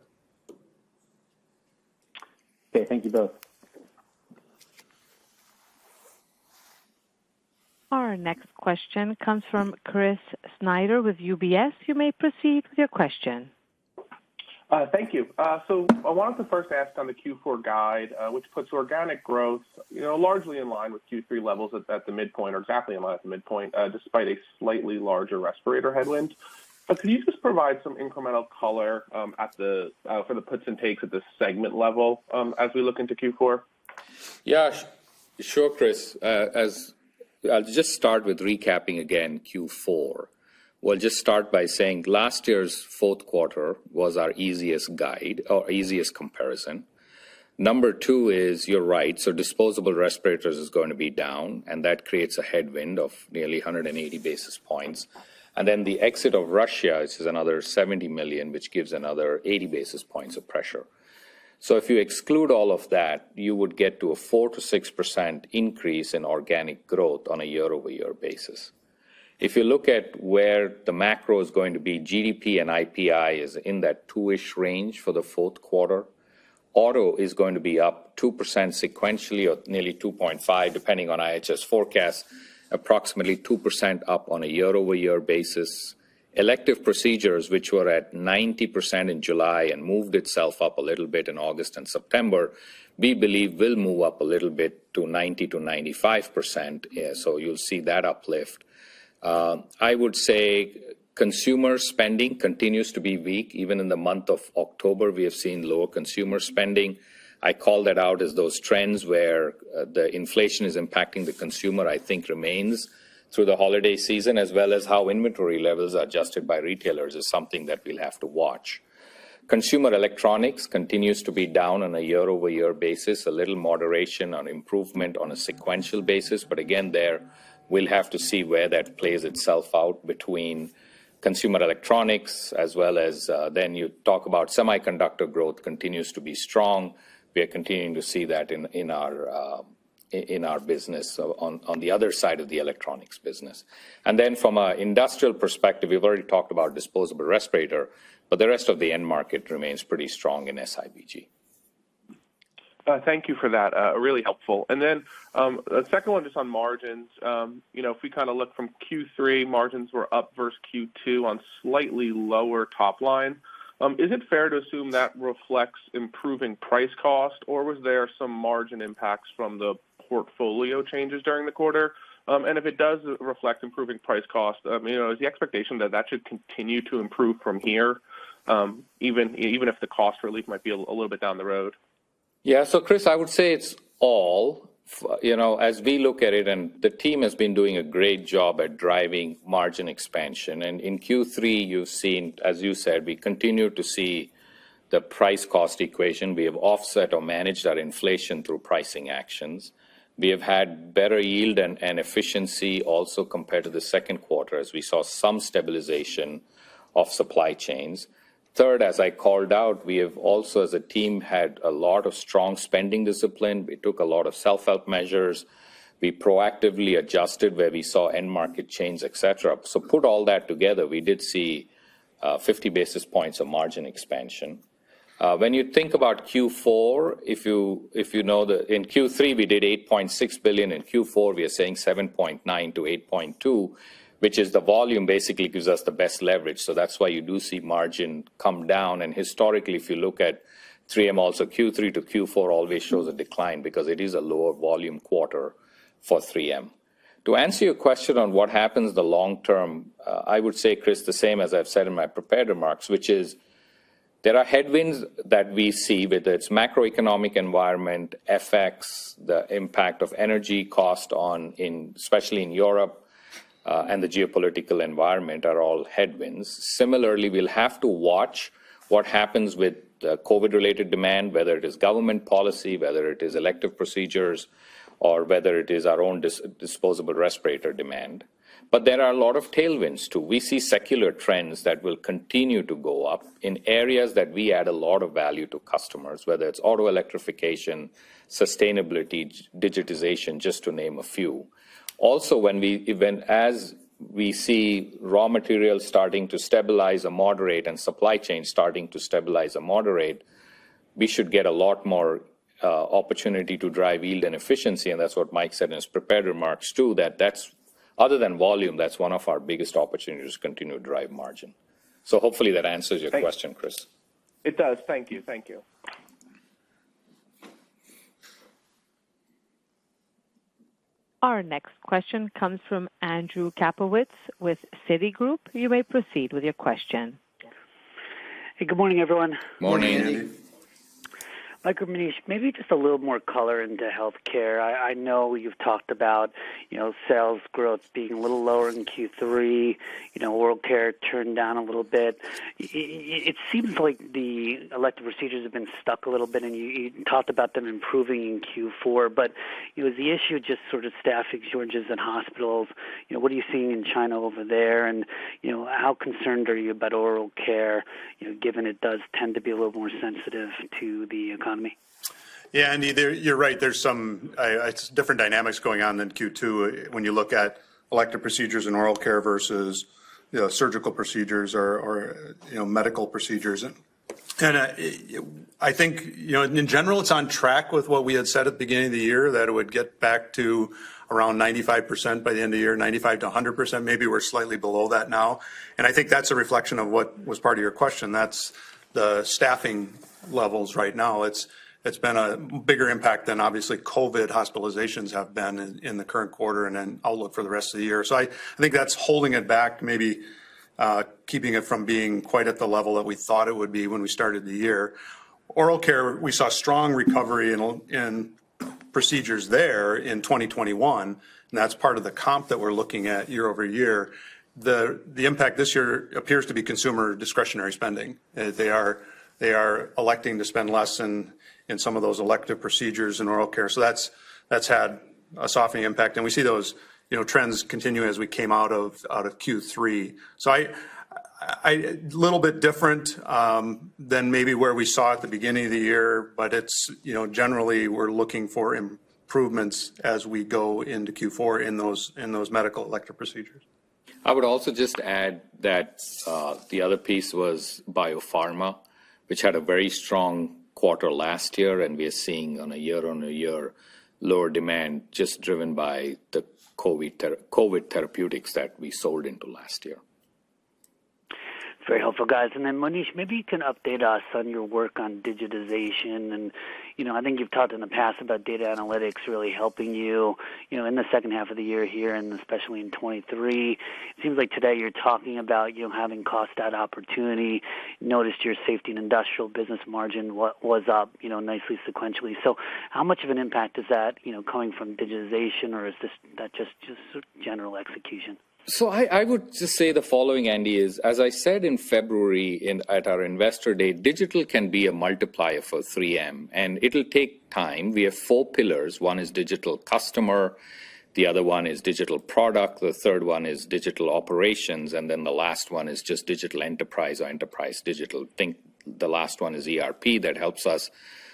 Okay. Thank you both. Our next question comes from Chris Snyder with UBS. You may proceed with your question. Thank you. I wanted to first ask on the Q4 guide, which puts organic growth, you know, largely in line with Q3 levels at the midpoint or exactly in line at the midpoint, despite a slightly larger respirator headwind. Could you just provide some incremental color for the puts and takes at the segment level, as we look into Q4? Yeah, sure, Chris. I'll just start with recapping again Q4. We'll just start by saying last year's fourth quarter was our easiest guide or easiest comparison. Number two is, you're right, so disposable respirators is going to be down, and that creates a headwind of nearly 180 basis points. Then the exit of Russia is another $70 million, which gives another 80 basis points of pressure. If you exclude all of that, you would get to a 4%-6% increase in organic growth on a year-over-year basis. If you look at where the macro is going to be, GDP and IPI is in that twoish range for the fourth quarter. Auto is going to be up 2% sequentially or nearly 2.5, depending on IHS forecast, approximately 2% up on a year-over-year basis. Elective procedures, which were at 90% in July and moved itself up a little bit in August and September, we believe will move up a little bit to 90%-95%. Yeah, so you'll see that uplift. I would say consumer spending continues to be weak. Even in the month of October, we have seen lower consumer spending. I call that out as those trends where the inflation is impacting the consumer, I think remains through the holiday season, as well as how inventory levels are adjusted by retailers is something that we'll have to watch. Consumer electronics continues to be down on a year-over-year basis, a little moderation on improvement on a sequential basis. But again, there we'll have to see where that plays itself out between consumer electronics as well as, then you talk about semiconductor growth continues to be strong. We are continuing to see that in our business on the other side of the electronics business. Then from an industrial perspective, we've already talked about disposable respirator, but the rest of the end market remains pretty strong in SIBG. Thank you for that. Really helpful. Then, a second one just on margins. You know, if we kinda look from Q3, margins were up versus Q2 on slightly lower top line. Is it fair to assume that reflects improving price cost, or was there some margin impacts from the portfolio changes during the quarter? If it does reflect improving price cost, you know, is the expectation that that should continue to improve from here, even if the cost relief might be a little bit down the road? Yeah. Chris, I would say it's all. You know, as we look at it, the team has been doing a great job at driving margin expansion. In Q3, you've seen, as you said, we continue to see the price-cost equation. We have offset or managed our inflation through pricing actions. We have had better yield and efficiency also compared to the second quarter, as we saw some stabilization of supply chains. Third, as I called out, we have also as a team had a lot of strong spending discipline. We took a lot of self-help measures. We proactively adjusted where we saw end market change, et cetera. Put all that together, we did see 50 basis points of margin expansion. When you think about Q4, in Q3, we did $8.6 billion. In Q4, we are saying 7.9%-8.2%, which is the volume basically gives us the best leverage. That's why you do see margin come down. Historically, if you look at 3M, also Q3-Q4 always shows a decline because it is a lower volume quarter for 3M. To answer your question on what happens the long-term, I would say, Chris, the same as I've said in my prepared remarks, which is. There are headwinds that we see, whether it's macroeconomic environment, FX, the impact of energy cost on in especially in Europe, and the geopolitical environment are all headwinds. Similarly, we'll have to watch what happens with the COVID-related demand, whether it is government policy, whether it is elective procedures, or whether it is our own disposable respirator demand. There are a lot of tailwinds, too. We see secular trends that will continue to go up in areas that we add a lot of value to customers, whether it's auto electrification, sustainability, digitization, just to name a few. Also, as we see raw materials starting to stabilize and moderate and supply chain starting to stabilize and moderate, we should get a lot more opportunity to drive yield and efficiency, and that's what Mike said in his prepared remarks, too, that other than volume, that's one of our biggest opportunities to continue to drive margin. Hopefully that answers your question, Chris. It does. Thank you. Thank you. Our next question comes from Andrew Kaplowitz with Citigroup. You may proceed with your question. Hey, good morning, everyone. Morning. Morning. Mike or Monish, maybe just a little more color into healthcare. I know you've talked about, you know, sales growth being a little lower in Q3, you know, oral care turned down a little bit. It seems like the elective procedures have been stuck a little bit, and you talked about them improving in Q4. You know, is the issue just sort of staffing shortages in hospitals? You know, what are you seeing in China over there? You know, how concerned are you about oral care, you know, given it does tend to be a little more sensitive to the economy? You're right. There's some, it's different dynamics going on than Q2 when you look at elective procedures in oral care versus, you know, surgical procedures or, you know, medical procedures. I think, you know, in general, it's on track with what we had said at the beginning of the year, that it would get back to around 95% by the end of the year, 95%-100%. Maybe we're slightly below that now. I think that's a reflection of what was part of your question. That's the staffing levels right now. It's been a bigger impact than obviously COVID hospitalizations have been in the current quarter and then outlook for the rest of the year. I think that's holding it back, maybe, keeping it from being quite at the level that we thought it would be when we started the year. Oral care, we saw strong recovery in procedures there in 2021, and that's part of the comp that we're looking at year-over-year. The impact this year appears to be consumer discretionary spending. They are electing to spend less in some of those elective procedures in oral care. That's had a softening impact. We see those trends continuing as we came out of Q3. A little bit different than maybe where we saw at the beginning of the year, but it's generally we're looking for improvements as we go into Q4 in those medical elective procedures. I would also just add that, the other piece was biopharma, which had a very strong quarter last year, and we are seeing on a year-on-year lower demand just driven by the COVID therapeutics that we sold into last year. Very helpful, guys. Then Monish, maybe you can update us on your work on digitization. You know, I think you've talked in the past about data analytics really helping you know, in the second half of the year here, and especially in 2023. It seems like today you're talking about, you know, having caught that opportunity. Noticed your Safety and Industrial business margin was up, you know, nicely sequentially. How much of an impact is that, you know, coming from digitization, or is this just general execution? I would just say the following, Andy. As I said in February at our Investor Day, digital can be a multiplier for 3M, and it'll take time. We have four pillars. One is digital customer, the other one is digital product, the third one is digital operations, and then the last one is just digital enterprise or enterprise digital. I think the last one is ERP that helps us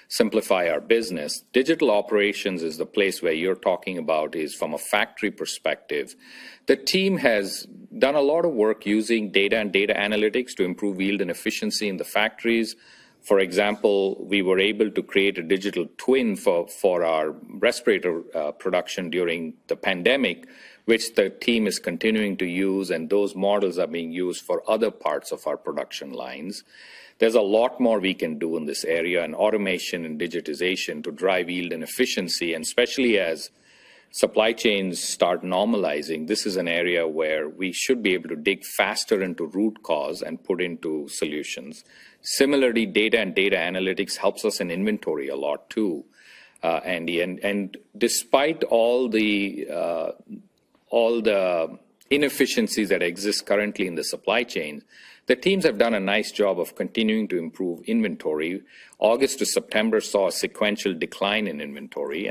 simplify our business. Digital operations is the place where you're talking about from a factory perspective. The team has done a lot of work using data and data analytics to improve yield and efficiency in the factories. For example, we were able to create a digital twin for our respirator production during the pandemic, which the team is continuing to use, and those models are being used for other parts of our production lines. There's a lot more we can do in this area in automation and digitization to drive yield and efficiency, and especially as supply chains start normalizing, this is an area where we should be able to dig faster into root cause and put into solutions. Similarly, data and data analytics helps us in inventory a lot too, Andy. Despite all the inefficiencies that exist currently in the supply chain, the teams have done a nice job of continuing to improve inventory. August to September saw a sequential decline in inventory.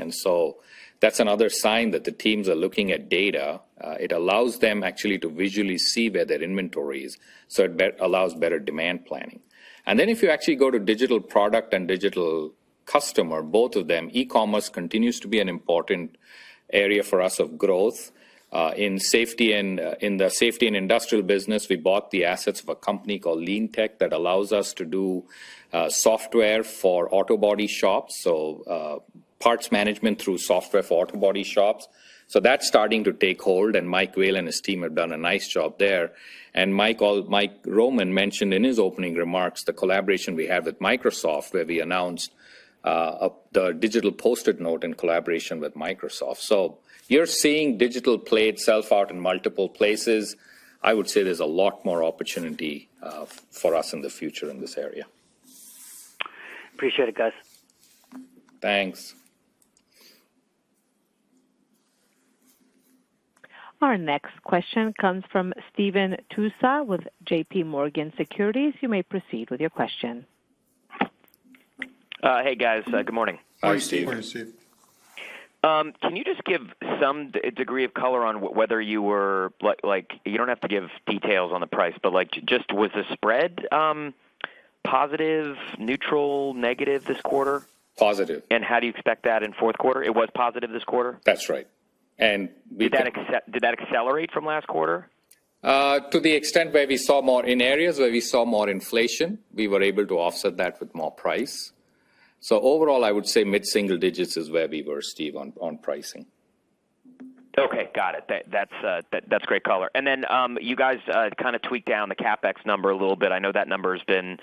That's another sign that the teams are looking at data. It allows them actually to visually see where their inventory is, so it allows better demand planning. If you actually go to digital product and digital customer, both of them, e-commerce continues to be an important area for us of growth. In the Safety and Industrial business, we bought the assets of a company called LeanTec that allows us to do software for auto body shops, so parts management through software for auto body shops. That's starting to take hold, and Mike Vale and his team have done a nice job there. Mike Roman mentioned in his opening remarks the collaboration we have with Microsoft, where we announced the digital Post-it Note in collaboration with Microsoft. You're seeing digital play itself out in multiple places. I would say there's a lot more opportunity for us in the future in this area. Appreciate it, guys. Thanks. Our next question comes from Stephen Tusa with J.P. Morgan Securities. You may proceed with your question. Hey, guys. Good morning. Hi, Stephen. Good morning, Stephen. Can you just give some degree of color on whether you were like, you don't have to give details on the price, but like just what was the spread, positive, neutral, negative this quarter? Positive. How do you expect that in fourth quarter? It was positive this quarter. That's right. Did that accelerate from last quarter? To the extent where we saw more in areas where we saw more inflation, we were able to offset that with more price. Overall, I would say mid-single digits is where we were, Steve, on pricing. Okay. Got it. That's great color. You guys kind of tweaked down the CapEx number a little bit. I know that number has been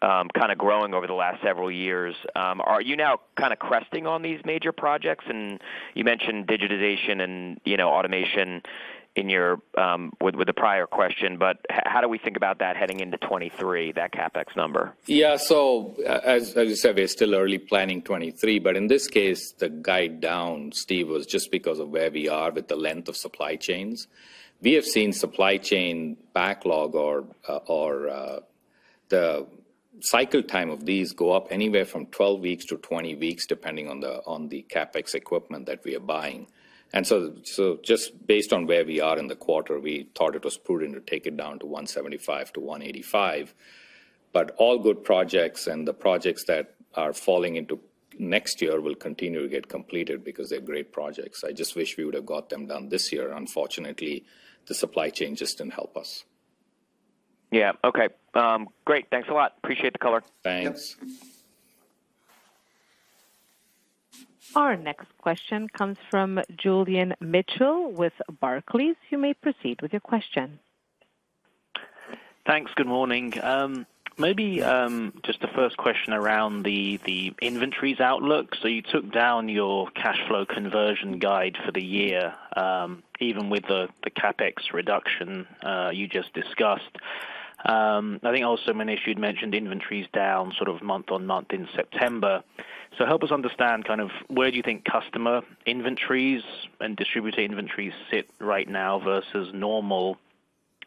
kinda growing over the last several years. Are you now kinda cresting on these major projects? You mentioned digitization and, you know, with the prior question, but how do we think about that heading into 2023, that CapEx number? Yeah. As you said, we're still early planning 2023, but in this case, the guidance down, Stephen, was just because of where we are with the length of supply chains. We have seen supply chain backlog or the cycle time of these go up anywhere from 12-20 weeks, depending on the CapEx equipment that we are buying. Just based on where we are in the quarter, we thought it was prudent to take it down to $175-$185. All good projects and the projects that are falling into next year will continue to get completed because they're great projects. I just wish we would have got them done this year. Unfortunately, the supply chain just didn't help us. Yeah. Okay. Great. Thanks a lot. Appreciate the color. Thanks. Yes. Our next question comes from Julian Mitchell with Barclays. You may proceed with your question. Thanks. Good morning. Maybe just the first question around the inventories outlook. You took down your cash flow conversion guide for the year, even with the CapEx reduction you just discussed. I think also Monish you'd mentioned inventory is down sort of month-on-month in September. Help us understand kind of where do you think customer inventories and distributor inventories sit right now versus normal,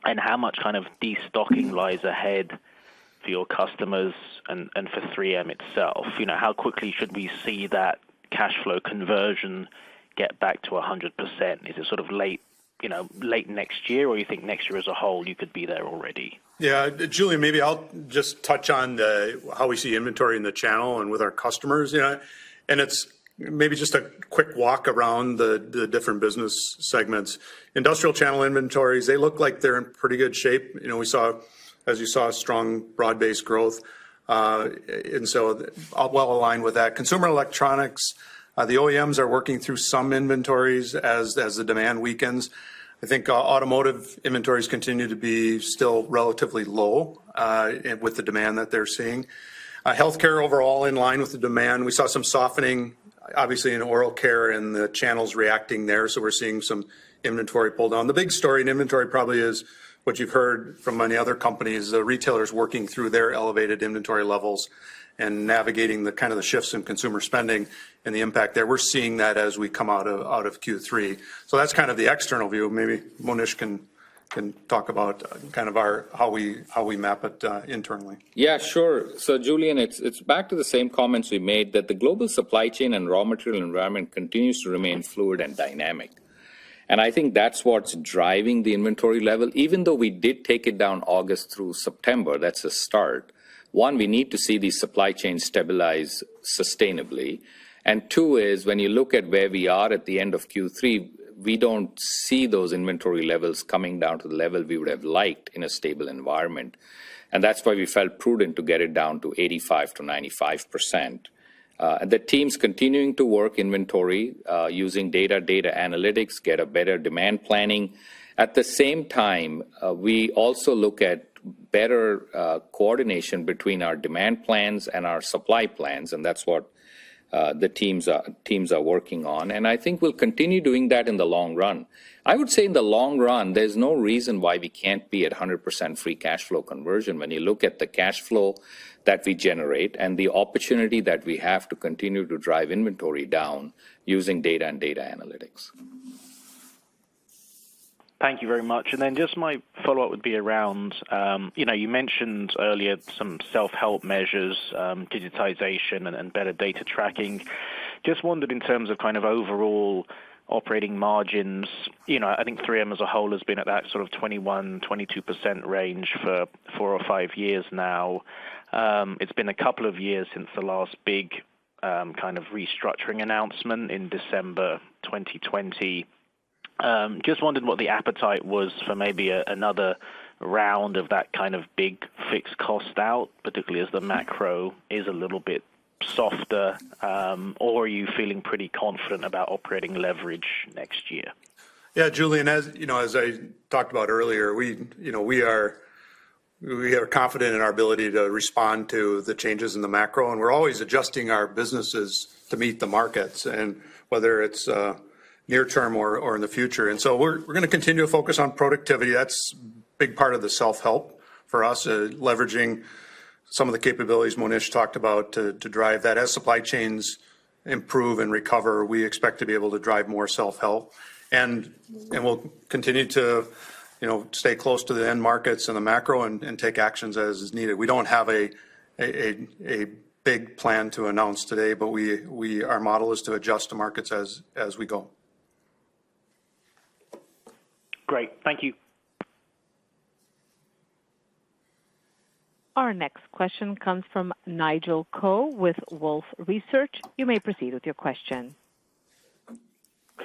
and how much kind of destocking lies ahead for your customers and for 3M itself? You know, how quickly should we see that cash flow conversion get back to 100%? Is it sort of late, you know, late next year, or you think next year as a whole, you could be there already? Yeah. Julian, maybe I'll just touch on the how we see inventory in the channel and with our customers. You know, it's maybe just a quick walk around the different business segments. Industrial channel inventories, they look like they're in pretty good shape. You know, we saw, as you saw, strong broad-based growth, and so well aligned with that. Consumer electronics, the OEMs are working through some inventories as the demand weakens. I think, automotive inventories continue to be still relatively low, with the demand that they're seeing. Healthcare overall in line with the demand. We saw some softening, obviously in oral care and the channels reacting there, so we're seeing some inventory pulled on. The big story in inventory probably is what you've heard from many other companies, the retailers working through their elevated inventory levels and navigating the kind of the shifts in consumer spending and the impact there. We're seeing that as we come out of Q3. That's kind of the external view. Maybe Monish can talk about kind of how we map it internally. Yeah, sure. Julian, it's back to the same comments we made that the global supply chain and raw material environment continues to remain fluid and dynamic. I think that's what's driving the inventory level. Even though we did take it down August through September, that's a start. Once, we need to see the supply chain stabilize sustainably. Two is, when you look at where we are at the end of Q3, we don't see those inventory levels coming down to the level we would have liked in a stable environment. That's why we felt prudent to get it down to 85%-95%. The team's continuing to work inventory, using data analytics, get a better demand planning. At the same time, we also look at better coordination between our demand plans and our supply plans, and that's what the teams are working on. I think we'll continue doing that in the long run. I would say in the long run, there's no reason why we can't be at 100% free cash flow conversion when you look at the cash flow that we generate and the opportunity that we have to continue to drive inventory down using data and data analytics. Thank you very much. Just my follow-up would be around, you know, you mentioned earlier some self-help measures, digitization and better data tracking. Just wondered in terms of kind of overall operating margins, you know, I think 3M as a whole has been at that sort of 21%-22% range for 4 or 5 years now. It's been a couple of years since the last big, kind of restructuring announcement in December 2020. Just wondered what the appetite was for maybe another round of that kind of big fixed cost out, particularly as the macro is a little bit softer, or are you feeling pretty confident about operating leverage next year? Yeah. Julian, as you know, as I talked about earlier, you know, we are confident in our ability to respond to the changes in the macro, and we're always adjusting our businesses to meet the markets and whether it's near term or in the future. We're gonna continue to focus on productivity. Big part of the self-help for us is leveraging some of the capabilities Monish talked about to drive that. As supply chains improve and recover, we expect to be able to drive more self-help. We'll continue to, you know, stay close to the end markets and the macro and take actions as is needed. We don't have a big plan to announce today, but we. Our model is to adjust to markets as we go. Great. Thank you. Our next question comes from Nigel Coe with Wolfe Research. You may proceed with your question.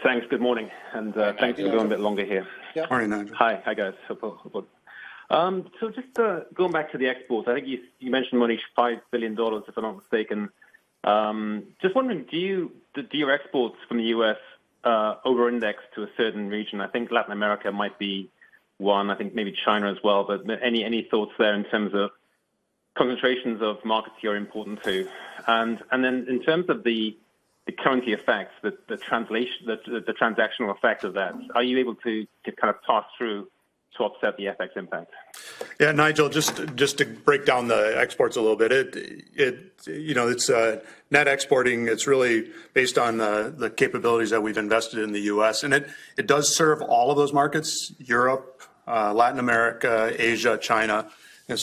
Thanks. Good morning, and thanks for going a bit longer here. Yeah. Morning, Nigel. Hi, guys. So just to go back to the exports, I think you mentioned, Monish, $5 billion, if I'm not mistaken. Just wondering, do your exports from the U.S. over-index to a certain region? I think Latin America might be one. I think maybe China as well. But any thoughts there in terms of concentrations of markets you're important to? In terms of the currency effects, the translation, the transactional effect of that, are you able to kind of pass through to offset the FX impact? Yeah, Nigel, just to break down the exports a little bit, you know, it's net exporting, it's really based on the capabilities that we've invested in the U.S. It does serve all of those markets, Europe, Latin America, Asia, China. I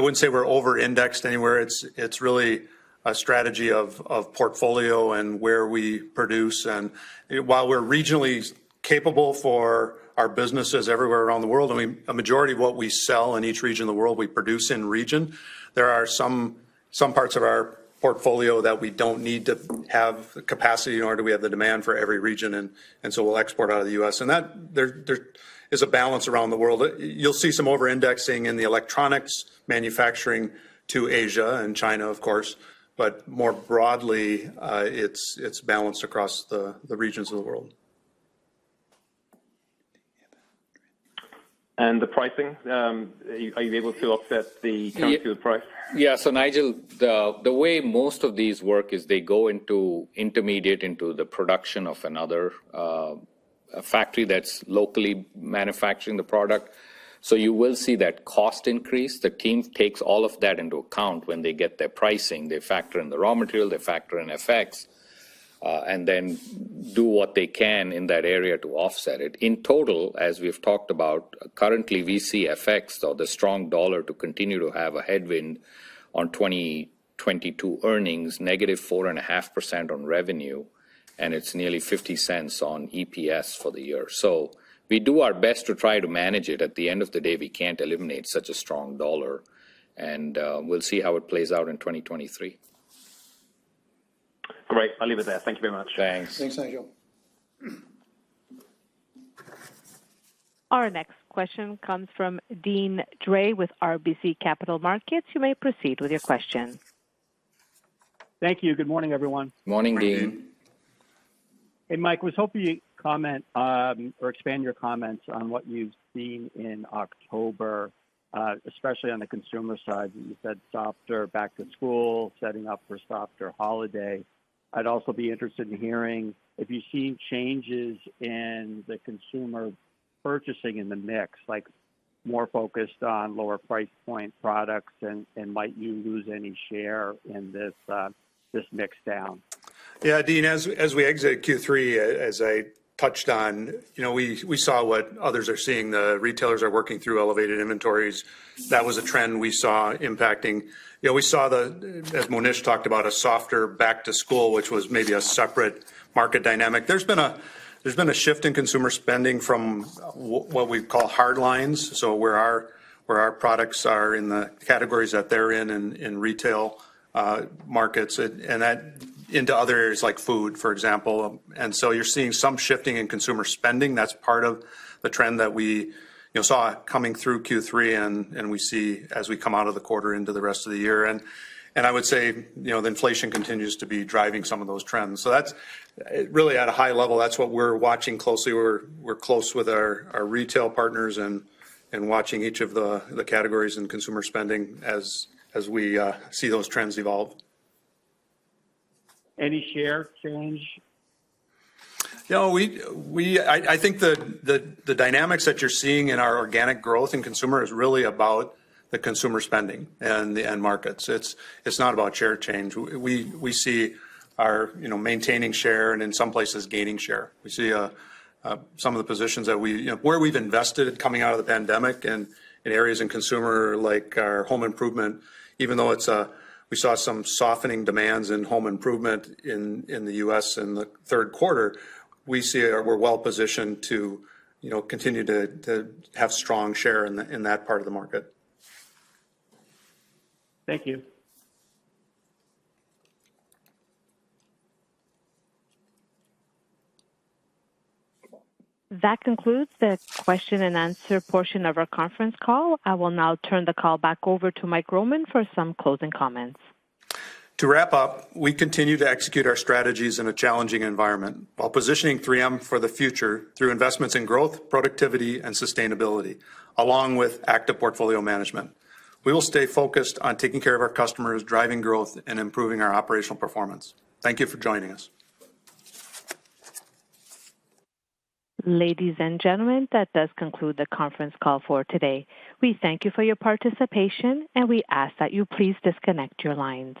wouldn't say we're over-indexed anywhere. It's really a strategy of portfolio and where we produce. While we're regionally capable for our businesses everywhere around the world, I mean, a majority of what we sell in each region of the world, we produce in region. There are some parts of our portfolio that we don't need to have the capacity, nor do we have the demand for every region, and so we'll export out of the U.S. There is a balance around the world. You'll see some over-indexing in the electronics manufacturing to Asia and China, of course. More broadly, it's balanced across the regions of the world. The pricing, are you able to offset the currency with price? Yeah. Nigel, the way most of these work is they go into intermediate into the production of another factory that's locally manufacturing the product. You will see that cost increase. The team takes all of that into account when they get their pricing. They factor in the raw material, they factor in FX, and then do what they can in that area to offset it. In total, as we've talked about, currently we see FX or the strong dollar to continue to have a headwind on 2022 earnings, -4.5% on revenue, and it's nearly $0.50 on EPS for the year. We do our best to try to manage it. At the end of the day, we can't eliminate such a strong dollar, and we'll see how it plays out in 2023. Great. I'll leave it there. Thank you very much. Thanks. Thanks, Nigel. Our next question comes from Deane Dray with RBC Capital Markets. You may proceed with your question. Thank you. Good morning, everyone. Morning, Deane. Morning. Hey, Mike, I was hoping you'd comment or expand your comments on what you've seen in October, especially on the consumer side. You said softer back to school, setting up for softer holiday. I'd also be interested in hearing if you're seeing changes in the consumer purchasing in the mix, like more focused on lower price point products and might you lose any share in this mix down? Yeah, Deane, as we exit Q3, as I touched on, you know, we saw what others are seeing. The retailers are working through elevated inventories. That was a trend we saw impacting. You know, we saw, as Monish talked about, a softer back to school, which was maybe a separate market dynamic. There's been a shift in consumer spending from what we call hard lines, so where our products are in the categories that they're in retail markets, and that into other areas like food, for example. You're seeing some shifting in consumer spending. That's part of the trend that we, you know, saw coming through Q3 and we see as we come out of the quarter into the rest of the year. I would say, you know, the inflation continues to be driving some of those trends. That's really at a high level, that's what we're watching closely. We're close with our retail partners and watching each of the categories in consumer spending as we see those trends evolve. Any share change? I think the dynamics that you're seeing in our organic growth in consumer is really about the consumer spending and the end markets. It's not about share change. We see ourselves, you know, maintaining share and in some places gaining share. We see some of the positions where we've invested coming out of the pandemic and in areas in consumer like our home improvement, even though we saw some softening demand in home improvement in the U.S. in the third quarter, we see we're well positioned to, you know, continue to have strong share in that part of the market. Thank you. That concludes the question and answer portion of our conference call. I will now turn the call back over to Mike Roman for some closing comments. To wrap up, we continue to execute our strategies in a challenging environment while positioning 3M for the future through investments in growth, productivity and sustainability, along with active portfolio management. We will stay focused on taking care of our customers, driving growth and improving our operational performance. Thank you for joining us. Ladies and gentlemen, that does conclude the conference call for today. We thank you for your participation, and we ask that you please disconnect your lines.